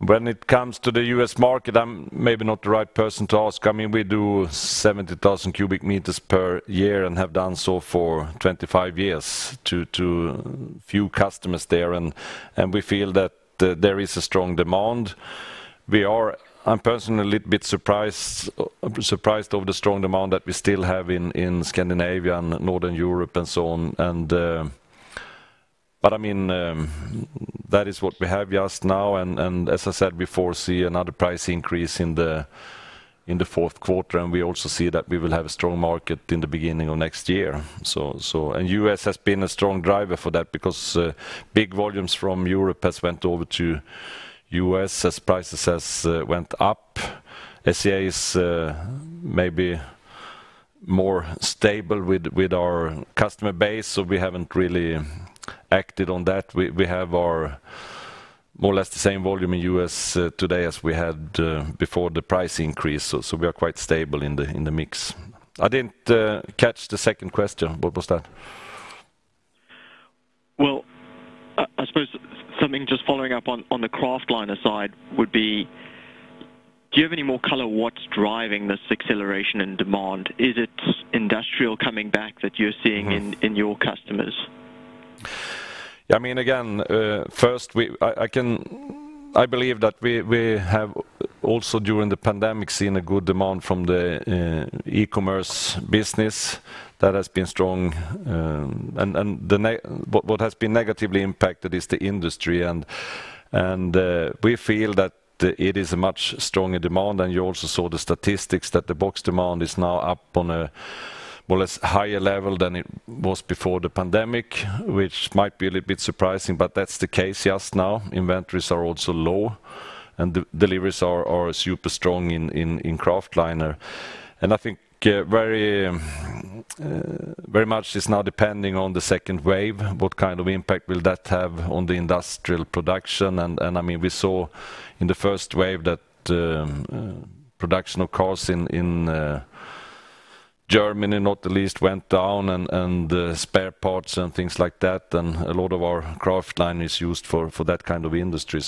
When it comes to the U.S. market, I'm maybe not the right person to ask. We do 70,000 cubic meters per year and have done so for 25 years to few customers there. We feel that there is a strong demand. I'm personally a little bit surprised of the strong demand that we still have in Scandinavia and Northern Europe and so on. That is what we have just now. As I said before, see another price increase in the fourth quarter. We also see that we will have a strong market in the beginning of next year. U.S. has been a strong driver for that because big volumes from Europe has went over to U.S. as prices has went up. SCA is maybe more stable with our customer base. We haven't really acted on that. We have our more or less the same volume in U.S. today as we had before the price increase, so we are quite stable in the mix. I didn't catch the second question. What was that? Well, I suppose something just following up on the kraftliner side would be, do you have any more color what's driving this acceleration in demand? Is it industrial coming back that you're seeing in your customers? Yeah. Again, first, I believe that we have also during the pandemic seen a good demand from the e-commerce business that has been strong. What has been negatively impacted is the industry, and we feel that it is a much stronger demand. You also saw the statistics that the box demand is now up on a higher level than it was before the pandemic, which might be a little bit surprising, but that's the case just now. Inventories are also low, and deliveries are super strong in kraftliner. I think very much it's now depending on the second wave, what kind of impact will that have on the industrial production? We saw in the first wave that production, of course, in Germany, not the least, went down and spare parts and things like that. A lot of our kraftliner is used for that kind of industry.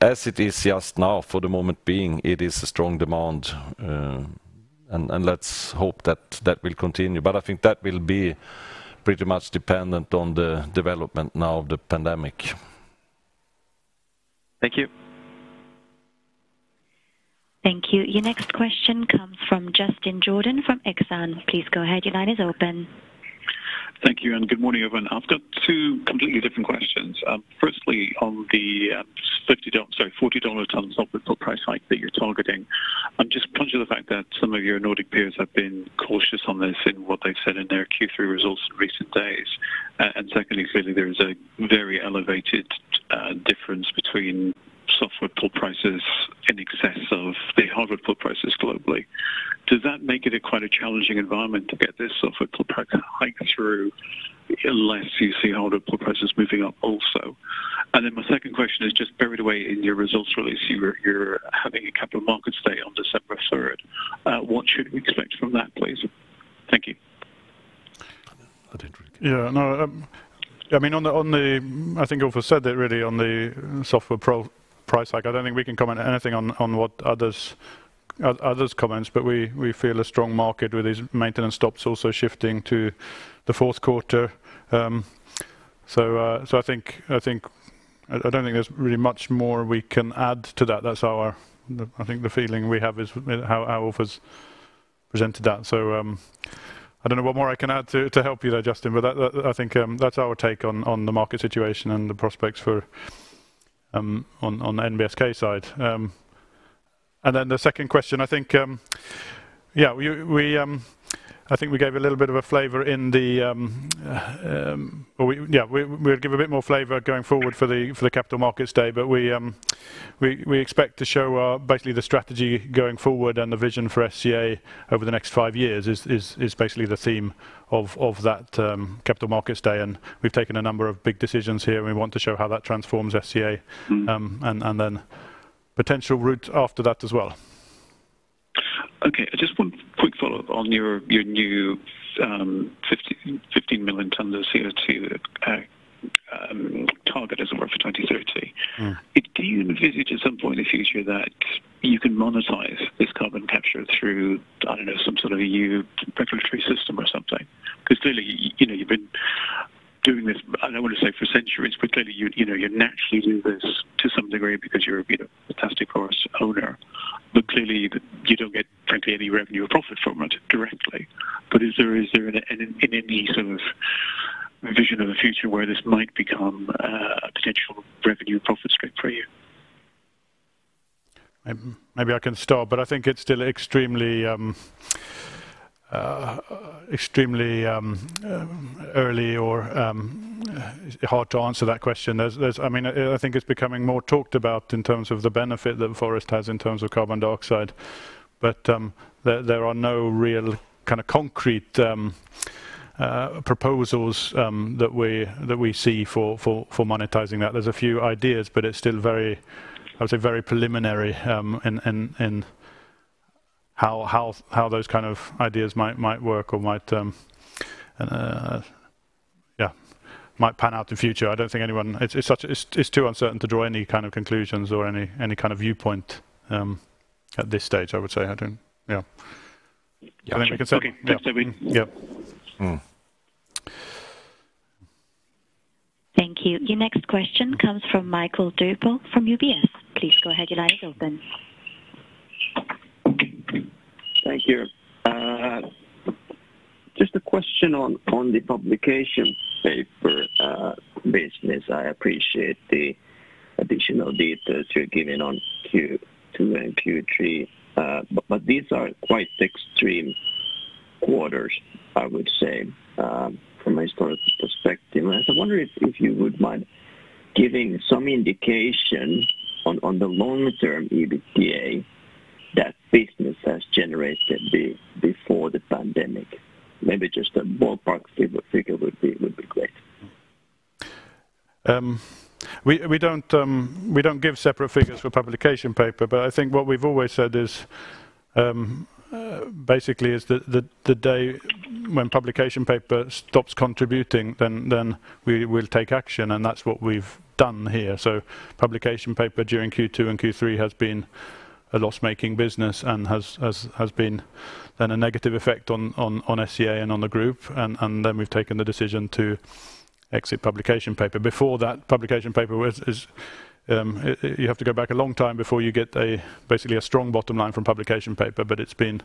As it is just now, for the moment being, it is a strong demand, and let's hope that will continue. I think that will be pretty much dependent on the development now of the pandemic. Thank you. Thank you. Your next question comes from Justin Jordan from Exane. Please go ahead. Thank you, and good morning, everyone. I've got two completely different questions. Firstly, on the $50, sorry, $40 a ton softwood pulp price hike that you're targeting, I'm just conscious of the fact that some of your Nordic peers have been cautious on this in what they've said in their Q3 results in recent days. Secondly, clearly, there is a very elevated difference between softwood pulp prices in excess of the hardwood pulp prices globally. Does that make it a quite a challenging environment to get this softwood pulp hike through unless you see hardwood pulp prices moving up also? My second question is just buried away in your results release. You're having a Capital Markets Day on December 3rd. What should we expect from that, please? Thank you. I don't. Yeah, no. I think Ulf said that really on the softwood pulp price hike. I don't think we can comment anything on what others comment, but we feel a strong market with these maintenance stops also shifting to the fourth quarter. I don't think there's really much more we can add to that. That's I think the feeling we have is how Ulf has presented that. I don't know what more I can add to help you there, Justin, but I think that's our take on the market situation and the prospects on the NBSK side. The second question, I think we gave a little bit of a flavor. We'll give a bit more flavor going forward for the Capital Markets Day. We expect to show the strategy going forward and the vision for SCA over the next five years is basically the theme of that Capital Markets Day, and we've taken a number of big decisions here, and we want to show how that transforms SCA. Potential route after that as well. Okay. Just one quick follow-up on your new 15 million tons of CO2 target, as it were, for 2030. Do you envisage at some point in the future that you can monetize this carbon capture through, I don't know, some sort of a EU regulatory system or something? Clearly, you've been doing this, I don't want to say for centuries, but clearly, you naturally do this to some degree because you're a fantastic forest owner. Clearly, you don't get frankly any revenue or profit from it directly. Is there any sort of vision of the future where this might become a potential revenue profit stream for you? Maybe I can start, but I think it's still extremely early or hard to answer that question. I think it's becoming more talked about in terms of the benefit that forest has in terms of carbon dioxide. There are no real concrete proposals that we see for monetizing that. There's a few ideas, but it's still very, I would say, very preliminary in how those kind of ideas might work or might, yeah, pan out in future. It's too uncertain to draw any kind of conclusions or any kind of viewpoint at this stage, I would say, Justin. Yeah. Anything we can say? Okay. Yeah. Thank you. Your next question comes from Mikael Doepel from UBS. Please go ahead. Your line is open. Thank you. Just a question on the publication paper business. I appreciate the additional data you're giving on Q2 and Q3. These are quite extreme quarters, I would say, from a historical perspective. I wonder if you would mind giving some indication on the long-term EBITDA that business has generated before the pandemic. Maybe just a ballpark figure would be great. We don't give separate figures for publication paper, I think what we've always said is, basically, the day when publication paper stops contributing, then we'll take action, that's what we've done here. Publication paper during Q2 and Q3 has been a loss-making business and has been then a negative effect on SCA and on the group. Then we've taken the decision to exit publication paper. Before that, publication paper, you have to go back a long time before you get basically a strong bottom line from publication paper, before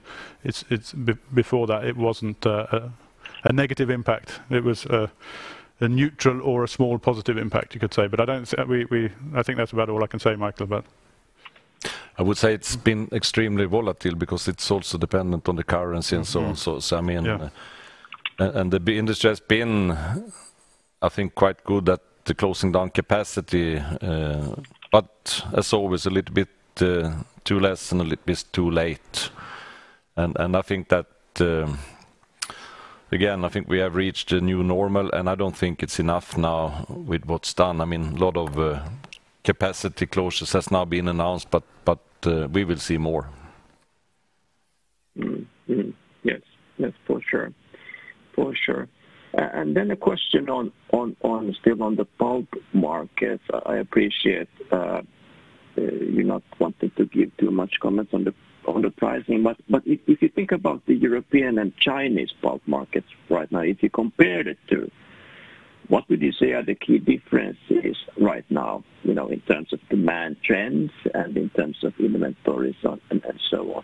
that, it wasn't a negative impact. It was a neutral or a small positive impact, you could say. I think that's about all I can say, Mikael, about. I would say it's been extremely volatile because it's also dependent on the currency and so on. Yeah. The industry has been, I think, quite good at the closing down capacity. As always, a little bit too less and a little bit too late. Again, I think we have reached a new normal, and I don't think it's enough now with what's done. A lot of capacity closures has now been announced, but we will see more. Yes, for sure. Then a question still on the pulp market. I appreciate you not wanting to give too much comments on the pricing. If you think about the European and Chinese pulp markets right now, if you compared it to, what would you say are the key differences right now in terms of demand trends and in terms of inventories and so on?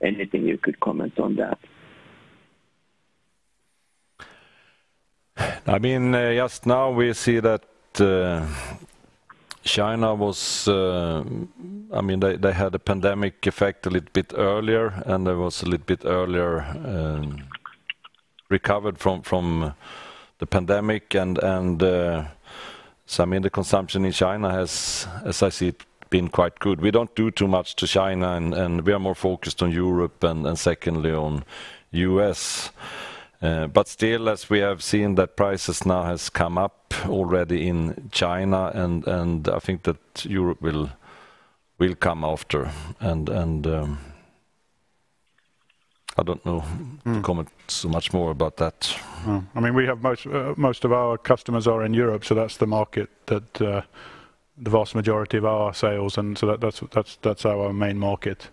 Anything you could comment on that? Just now we see that China, they had a pandemic effect a little bit earlier. They recovered from the pandemic a little bit earlier. The consumption in China has, as I see it, been quite good. We don't do too much to China. We are more focused on Europe and secondly on U.S. Still, as we have seen, that prices now has come up already in China. I think that Europe will come after. I don't know to comment so much more about that. Most of our customers are in Europe. That's the market that the vast majority of our sales. That's our main market.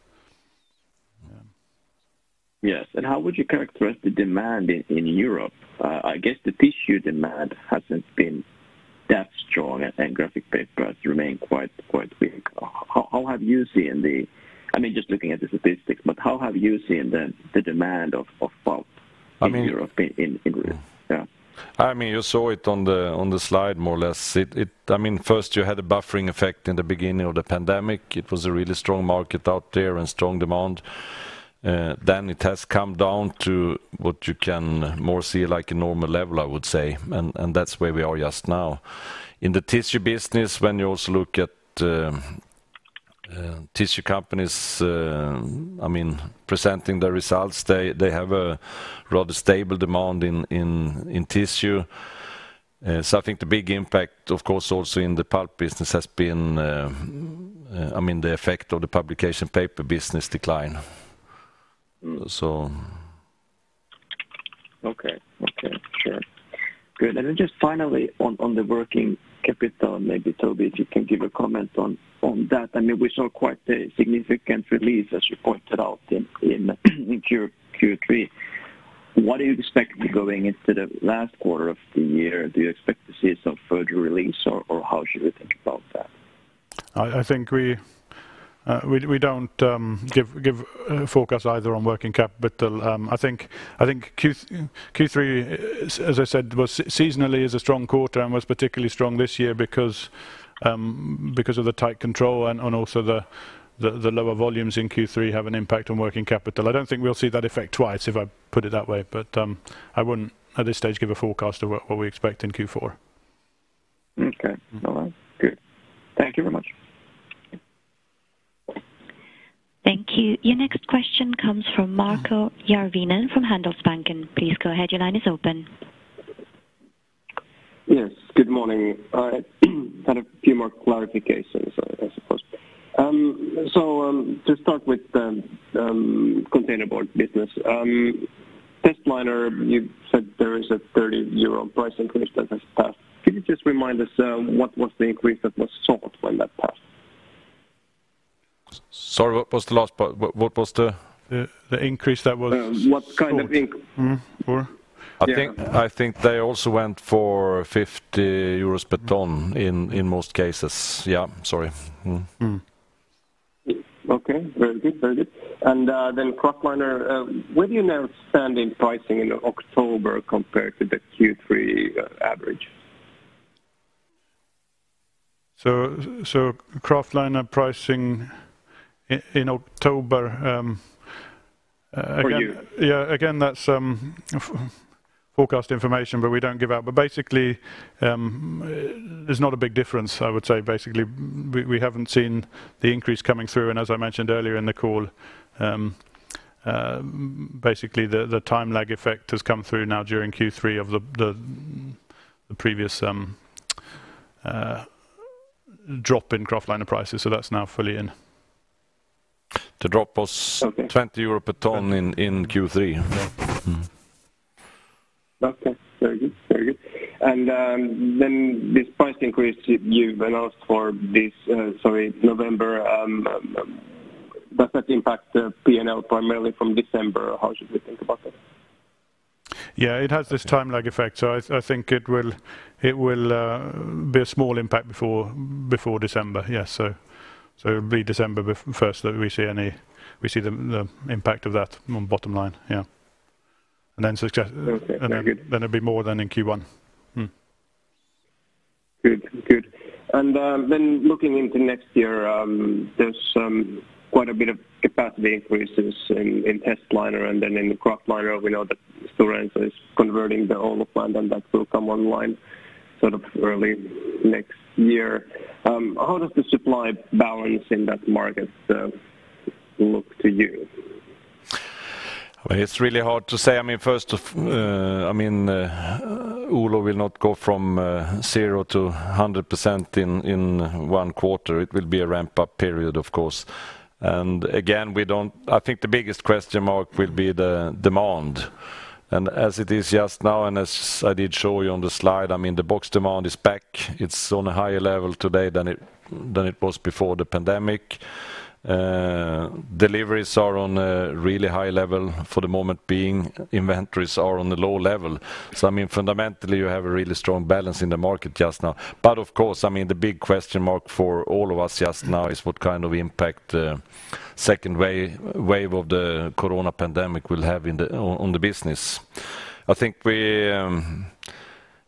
Yes. How would you characterize the demand in Europe? I guess the tissue demand hasn't been that strong, and graphic papers remain quite weak. Just looking at the statistics, but how have you seen the demand of pulp. I mean- In Europe, in England? Yeah. You saw it on the slide, more or less. First, you had a buffering effect in the beginning of the pandemic. It was a really strong market out there and strong demand. It has come down to what you can more see like a normal level, I would say. That's where we are just now. In the tissue business, when you also look at tissue companies presenting their results, they have a rather stable demand in tissue. I think the big impact, of course, also in the pulp business has been the effect of the publication paper business decline. Okay. Sure. Good. Just finally on the working capital, maybe, Toby, if you can give a comment on that. We saw quite a significant release, as you pointed out, in Q3. What do you expect going into the last quarter of the year? Do you expect to see some further release, or how should we think about that? We don't give forecast either on working capital. I think Q3, as I said, seasonally is a strong quarter and was particularly strong this year because of the tight control and also the lower volumes in Q3 have an impact on working capital. I don't think we'll see that effect twice, if I put it that way. I wouldn't, at this stage, give a forecast of what we expect in Q4. Okay. All right, good. Thank you very much. Thank you. Your next question comes from Markku Järvinen from Handelsbanken. Please go ahead, your line is open. Yes, good morning. I had a few more clarifications, I suppose. To start with the containerboard business. Testliner, you said there is a 30 euro price increase that has passed. Can you just remind us what was the increase that was sought when that passed? Sorry, what was the last part? The increase that was sought. What kind of increase? I think they also went for 50 euros per ton in most cases. Yeah, sorry. Okay, very good. Kraftliner, where do you now stand in pricing in October compared to the Q3 average? Kraftliner pricing in October. For you. Yeah. Again, that's forecast information, but we don't give out. Basically, there's not a big difference, I would say. Basically, we haven't seen the increase coming through, and as I mentioned earlier in the call. The time lag effect has come through now during Q3 of the previous drop in kraftliner prices, so that's now fully in. The drop was- Okay. 20 per ton in Q3. Yeah. Okay. Very good. Then this price increase you've announced for this November, does that impact the P&L primarily from December? How should we think about that? Yeah, it has this time lag effect, so I think it will be a small impact before December, yes. It will be December 1st that we see the impact of that on bottom line, yeah. Okay. Very good It'll be more than in Q1. Good. Looking into next year, there's quite a bit of capacity increases in testliner and then in the kraftliner. We know that Stora Enso is converting the Oulu plant, and that will come online early next year. How does the supply balance in that market look to you? It's really hard to say. Oulu will not go from zero to 100% in one quarter. It will be a ramp-up period, of course. Again, I think the biggest question mark will be the demand. As it is just now, as I did show you on the slide, the box demand is back. It's on a higher level today than it was before the pandemic. Deliveries are on a really high level for the moment being. Inventories are on a low level. Fundamentally, you have a really strong balance in the market just now. Of course, the big question mark for all of us just now is what kind of impact the second wave of the COVID pandemic will have on the business. I think we,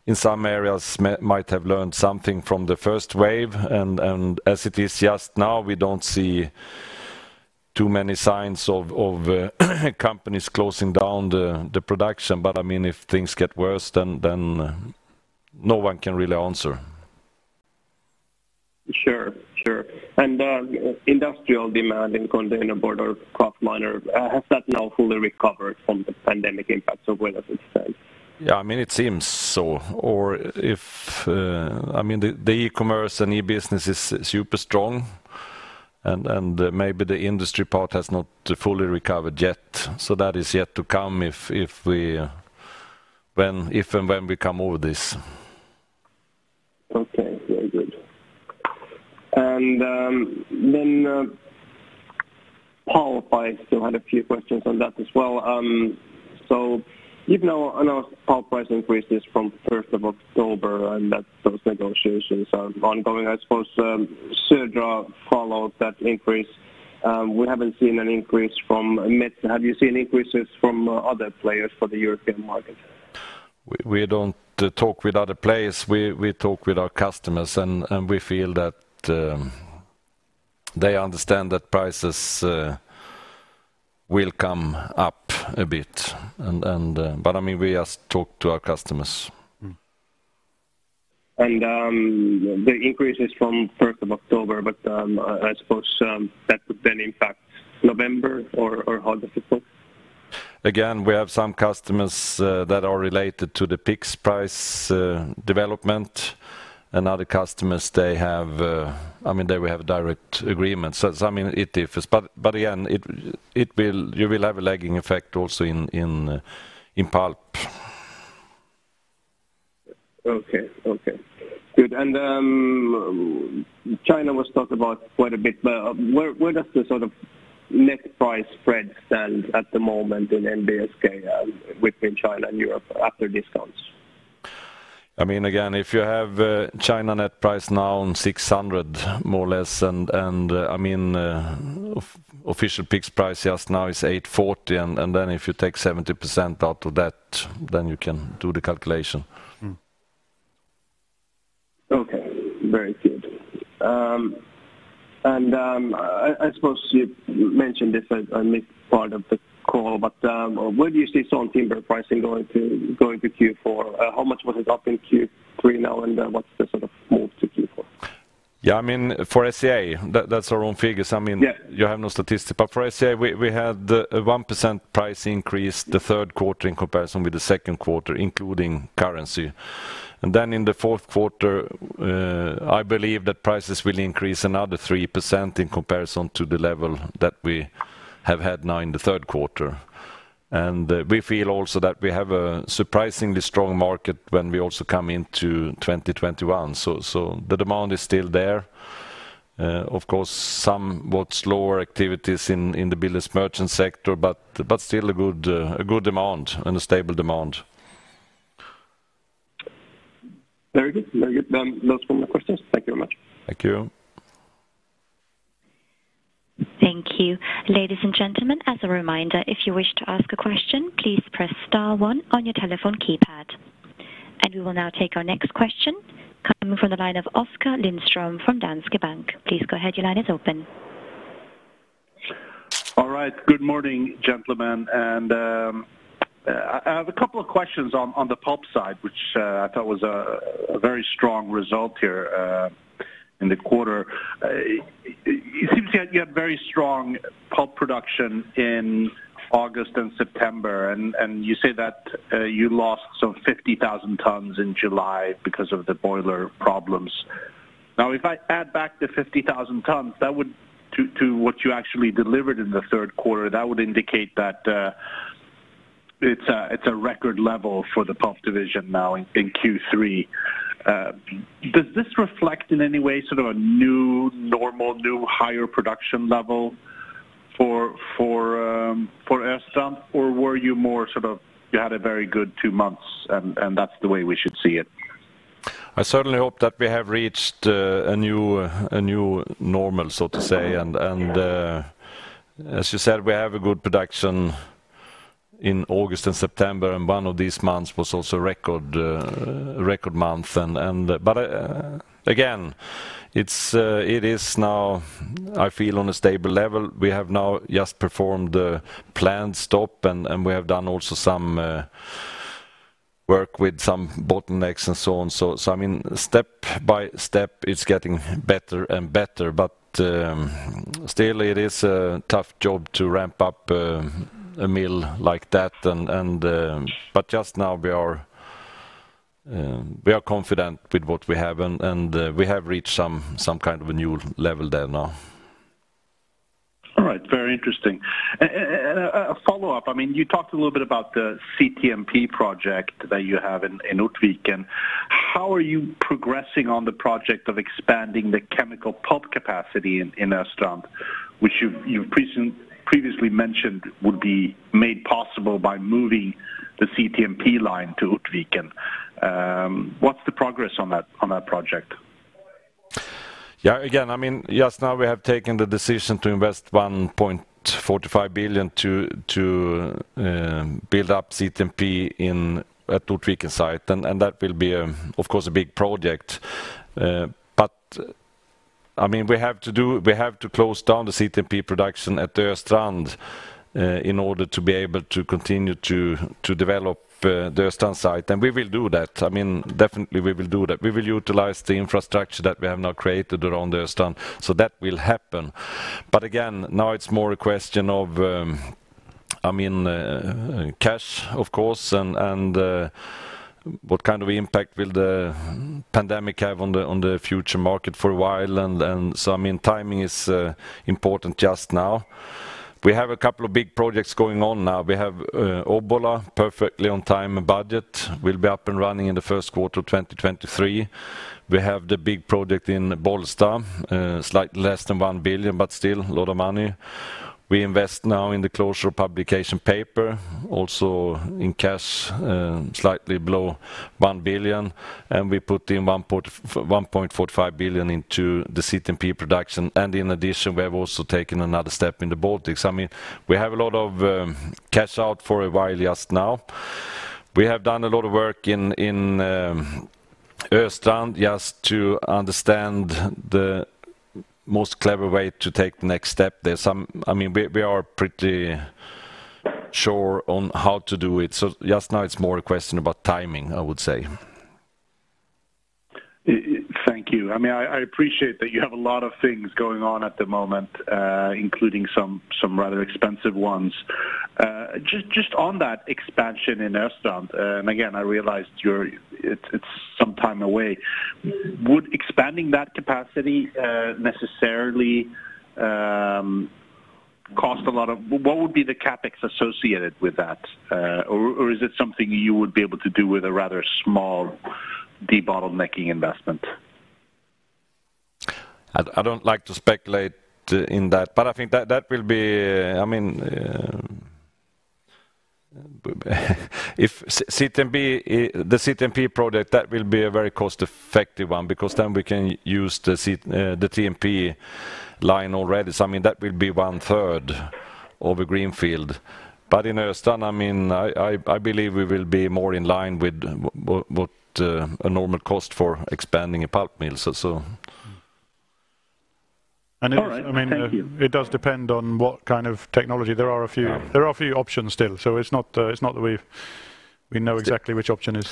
in some areas, might have learned something from the first wave, and as it is just now, we don't see too many signs of companies closing down the production. If things get worse, then no one can really answer. Sure. Industrial demand in containerboard or kraftliner, has that now fully recovered from the pandemic impacts, or where does it stand? Yeah, it seems so. The e-commerce and e-business is super strong, and maybe the industry part has not fully recovered yet. That is yet to come if and when we come over this. Okay. Very good. Then pulp, I still had a few questions on that as well. You've now announced pulp price increases from 1st of October, and that those negotiations are ongoing. I suppose Södra followed that increase. We haven't seen an increase from Metsä. Have you seen increases from other players for the European market? We don't talk with other players. We talk with our customers, and we feel that they understand that prices will come up a bit. We just talk to our customers. The increase is from 1st of October, but I suppose that would then impact November or how does it look? Again, we have some customers that are related to the PIX price development, and other customers, they will have direct agreements. It differs. Again, you will have a lagging effect also in pulp. Okay. Good. China was talked about quite a bit, but where does the net price spread stand at the moment in NBSK between China and Europe after discounts? If you have China net price now on $600, more or less, official PIX price just now is $840, if you take 70% out of that, you can do the calculation. Okay. Very good. I suppose you mentioned this on this part of the call, but where do you see sawn timber pricing going to Q4? How much was it up in Q3 now, and what's the move to Q4? For SCA, that's our own figures. Yeah. You have no statistic. For SCA, we had a 1% price increase the third quarter in comparison with the second quarter, including currency. In the fourth quarter, I believe that prices will increase another 3% in comparison to the level that we have had now in the third quarter. We feel also that we have a surprisingly strong market when we also come into 2021. The demand is still there. Of course, somewhat slower activities in the builder's merchant sector, but still a good demand and a stable demand. Very good. Those were my questions. Thank you very much. Thank you. Thank you. Ladies and gentlemen, as a reminder, if you wish to ask a question, please press star one on your telephone keypad. And we will now take our next question coming from the line of Oskar Lindström from Danske Bank. Please go ahead. Your line is open. All right. Good morning, gentlemen. I have a couple of questions on the pulp side, which I thought was a very strong result here. In the quarter, it seems you had very strong pulp production in August and September, and you say that you lost some 50,000 tons in July because of the boiler problems. If I add back the 50,000 tons to what you actually delivered in the third quarter, that would indicate that it's a record level for the pulp division now in Q3. Does this reflect, in any way, a new normal, new higher production level for Östrand? Or were you more, you had a very good two months, and that's the way we should see it? I certainly hope that we have reached a new normal, so to say. As you said, we have a good production in August and September, and one of these months was also a record month. Again, it is now, I feel, on a stable level. We have now just performed the planned stop, and we have done also some work with some bottlenecks and so on. Step by step, it's getting better and better. Still, it is a tough job to ramp up a mill like that. Just now, we are confident with what we have, and we have reached some kind of a new level there now. All right. Very interesting. A follow-up, you talked a little bit about the CTMP project that you have in Ortviken. How are you progressing on the project of expanding the chemical pulp capacity in Östrand, which you've previously mentioned would be made possible by moving the CTMP line to Ortviken? What's the progress on that project? Yeah. Again, just now we have taken the decision to invest 1.45 billion to build up CTMP at Ortviken site. That will be, of course, a big project. We have to close down the CTMP production at Östrand in order to be able to continue to develop the Östrand site. We will do that. Definitely we will do that. We will utilize the infrastructure that we have now created around Östrand, so that will happen. Again, now it's more a question of cash, of course, and what kind of impact will the pandemic have on the future market for a while. Timing is important just now. We have a couple of big projects going on now. We have Obbola perfectly on time and budget, will be up and running in the first quarter of 2023. We have the big project in Bålsta, slightly less than 1 billion, but still a lot of money. We invest now in the closure of publication paper, also in cash slightly below 1 billion, and we put in 1.45 billion into the CTMP production. In addition, we have also taken another step in the Baltics. We have a lot of cash out for a while just now. We have done a lot of work in Östrand just to understand the most clever way to take the next step. We are pretty sure on how to do it. Just now it's more a question about timing, I would say. Thank you. I appreciate that you have a lot of things going on at the moment, including some rather expensive ones. Just on that expansion in Östrand. Again, I realize it's some time away. What would be the CapEx associated with that? Is it something you would be able to do with a rather small de-bottlenecking investment? I don't like to speculate in that, I think that will be, if the CTMP project, that will be a very cost-effective one because then we can use the TMP line already. That will be one third of a greenfield. In Östrand, I believe we will be more in line with what a normal cost for expanding a pulp mill. All right. Thank you. It does depend on what kind of technology. There are a few options still. It's not that we know exactly which option is.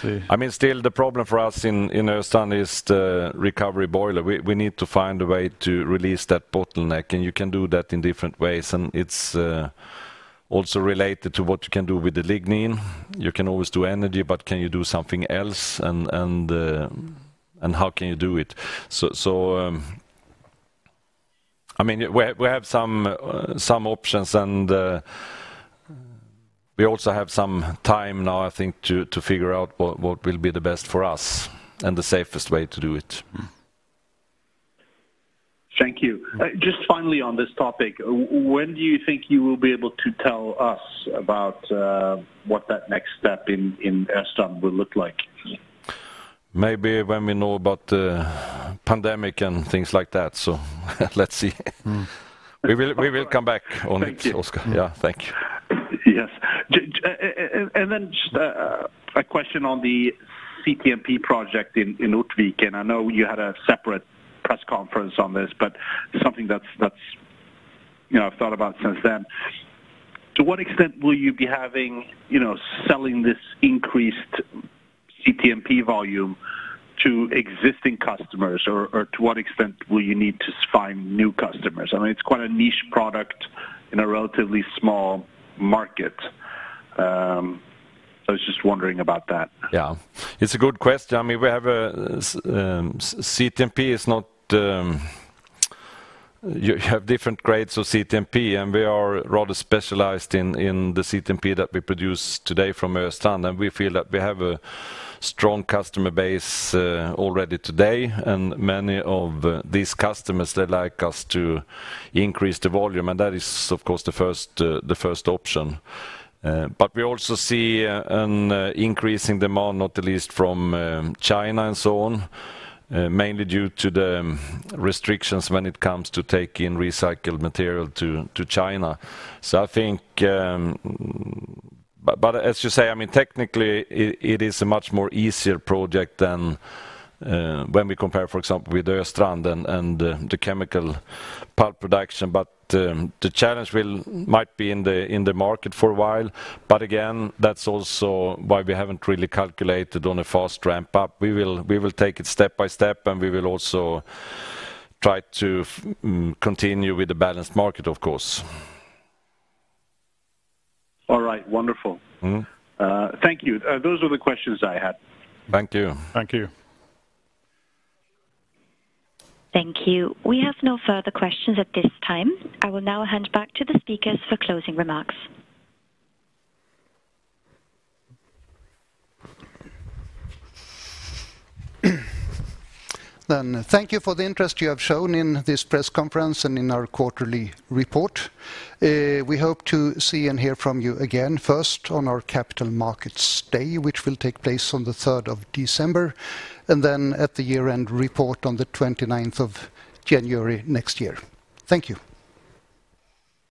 Still the problem for us in Östrand is the recovery boiler. We need to find a way to release that bottleneck, you can do that in different ways. It's also related to what you can do with the lignin. You can always do energy, but can you do something else, and how can you do it? We have some options, and we also have some time now, I think, to figure out what will be the best for us and the safest way to do it. Thank you. Just finally on this topic, when do you think you will be able to tell us about what that next step in Östrand will look like? Maybe when we know about the pandemic and things like that. Let's see. We will come back on it, Oskar. Thank you. Yeah. Thank you. Yes. Just a question on the CTMP project in Ortviken. I know you had a separate press conference on this, something that I've thought about since then. To what extent will you be selling this increased CTMP volume to existing customers? To what extent will you need to find new customers? It's quite a niche product in a relatively small market. I was just wondering about that. Yeah. It's a good question. CTMP, you have different grades of CTMP, and we are rather specialized in the CTMP that we produce today from Östrand, and we feel that we have a strong customer base already today. Many of these customers, they'd like us to increase the volume, and that is, of course, the first option. We also see an increase in demand, not the least from China and so on, mainly due to the restrictions when it comes to taking recycled material to China. As you say, technically it is a much more easier project than when we compare, for example, with Östrand and the chemical pulp production. The challenge might be in the market for a while. Again, that's also why we haven't really calculated on a fast ramp-up. We will take it step by step, and we will also try to continue with the balanced market, of course. All right. Wonderful. Thank you. Those were the questions I had. Thank you. Thank you. Thank you. We have no further questions at this time. I will now hand back to the speakers for closing remarks. Thank you for the interest you have shown in this press conference and in our quarterly report. We hope to see and hear from you again, first on our Capital Markets Day, which will take place on the 3rd of December, and then at the year-end report on the 29th of January next year. Thank you.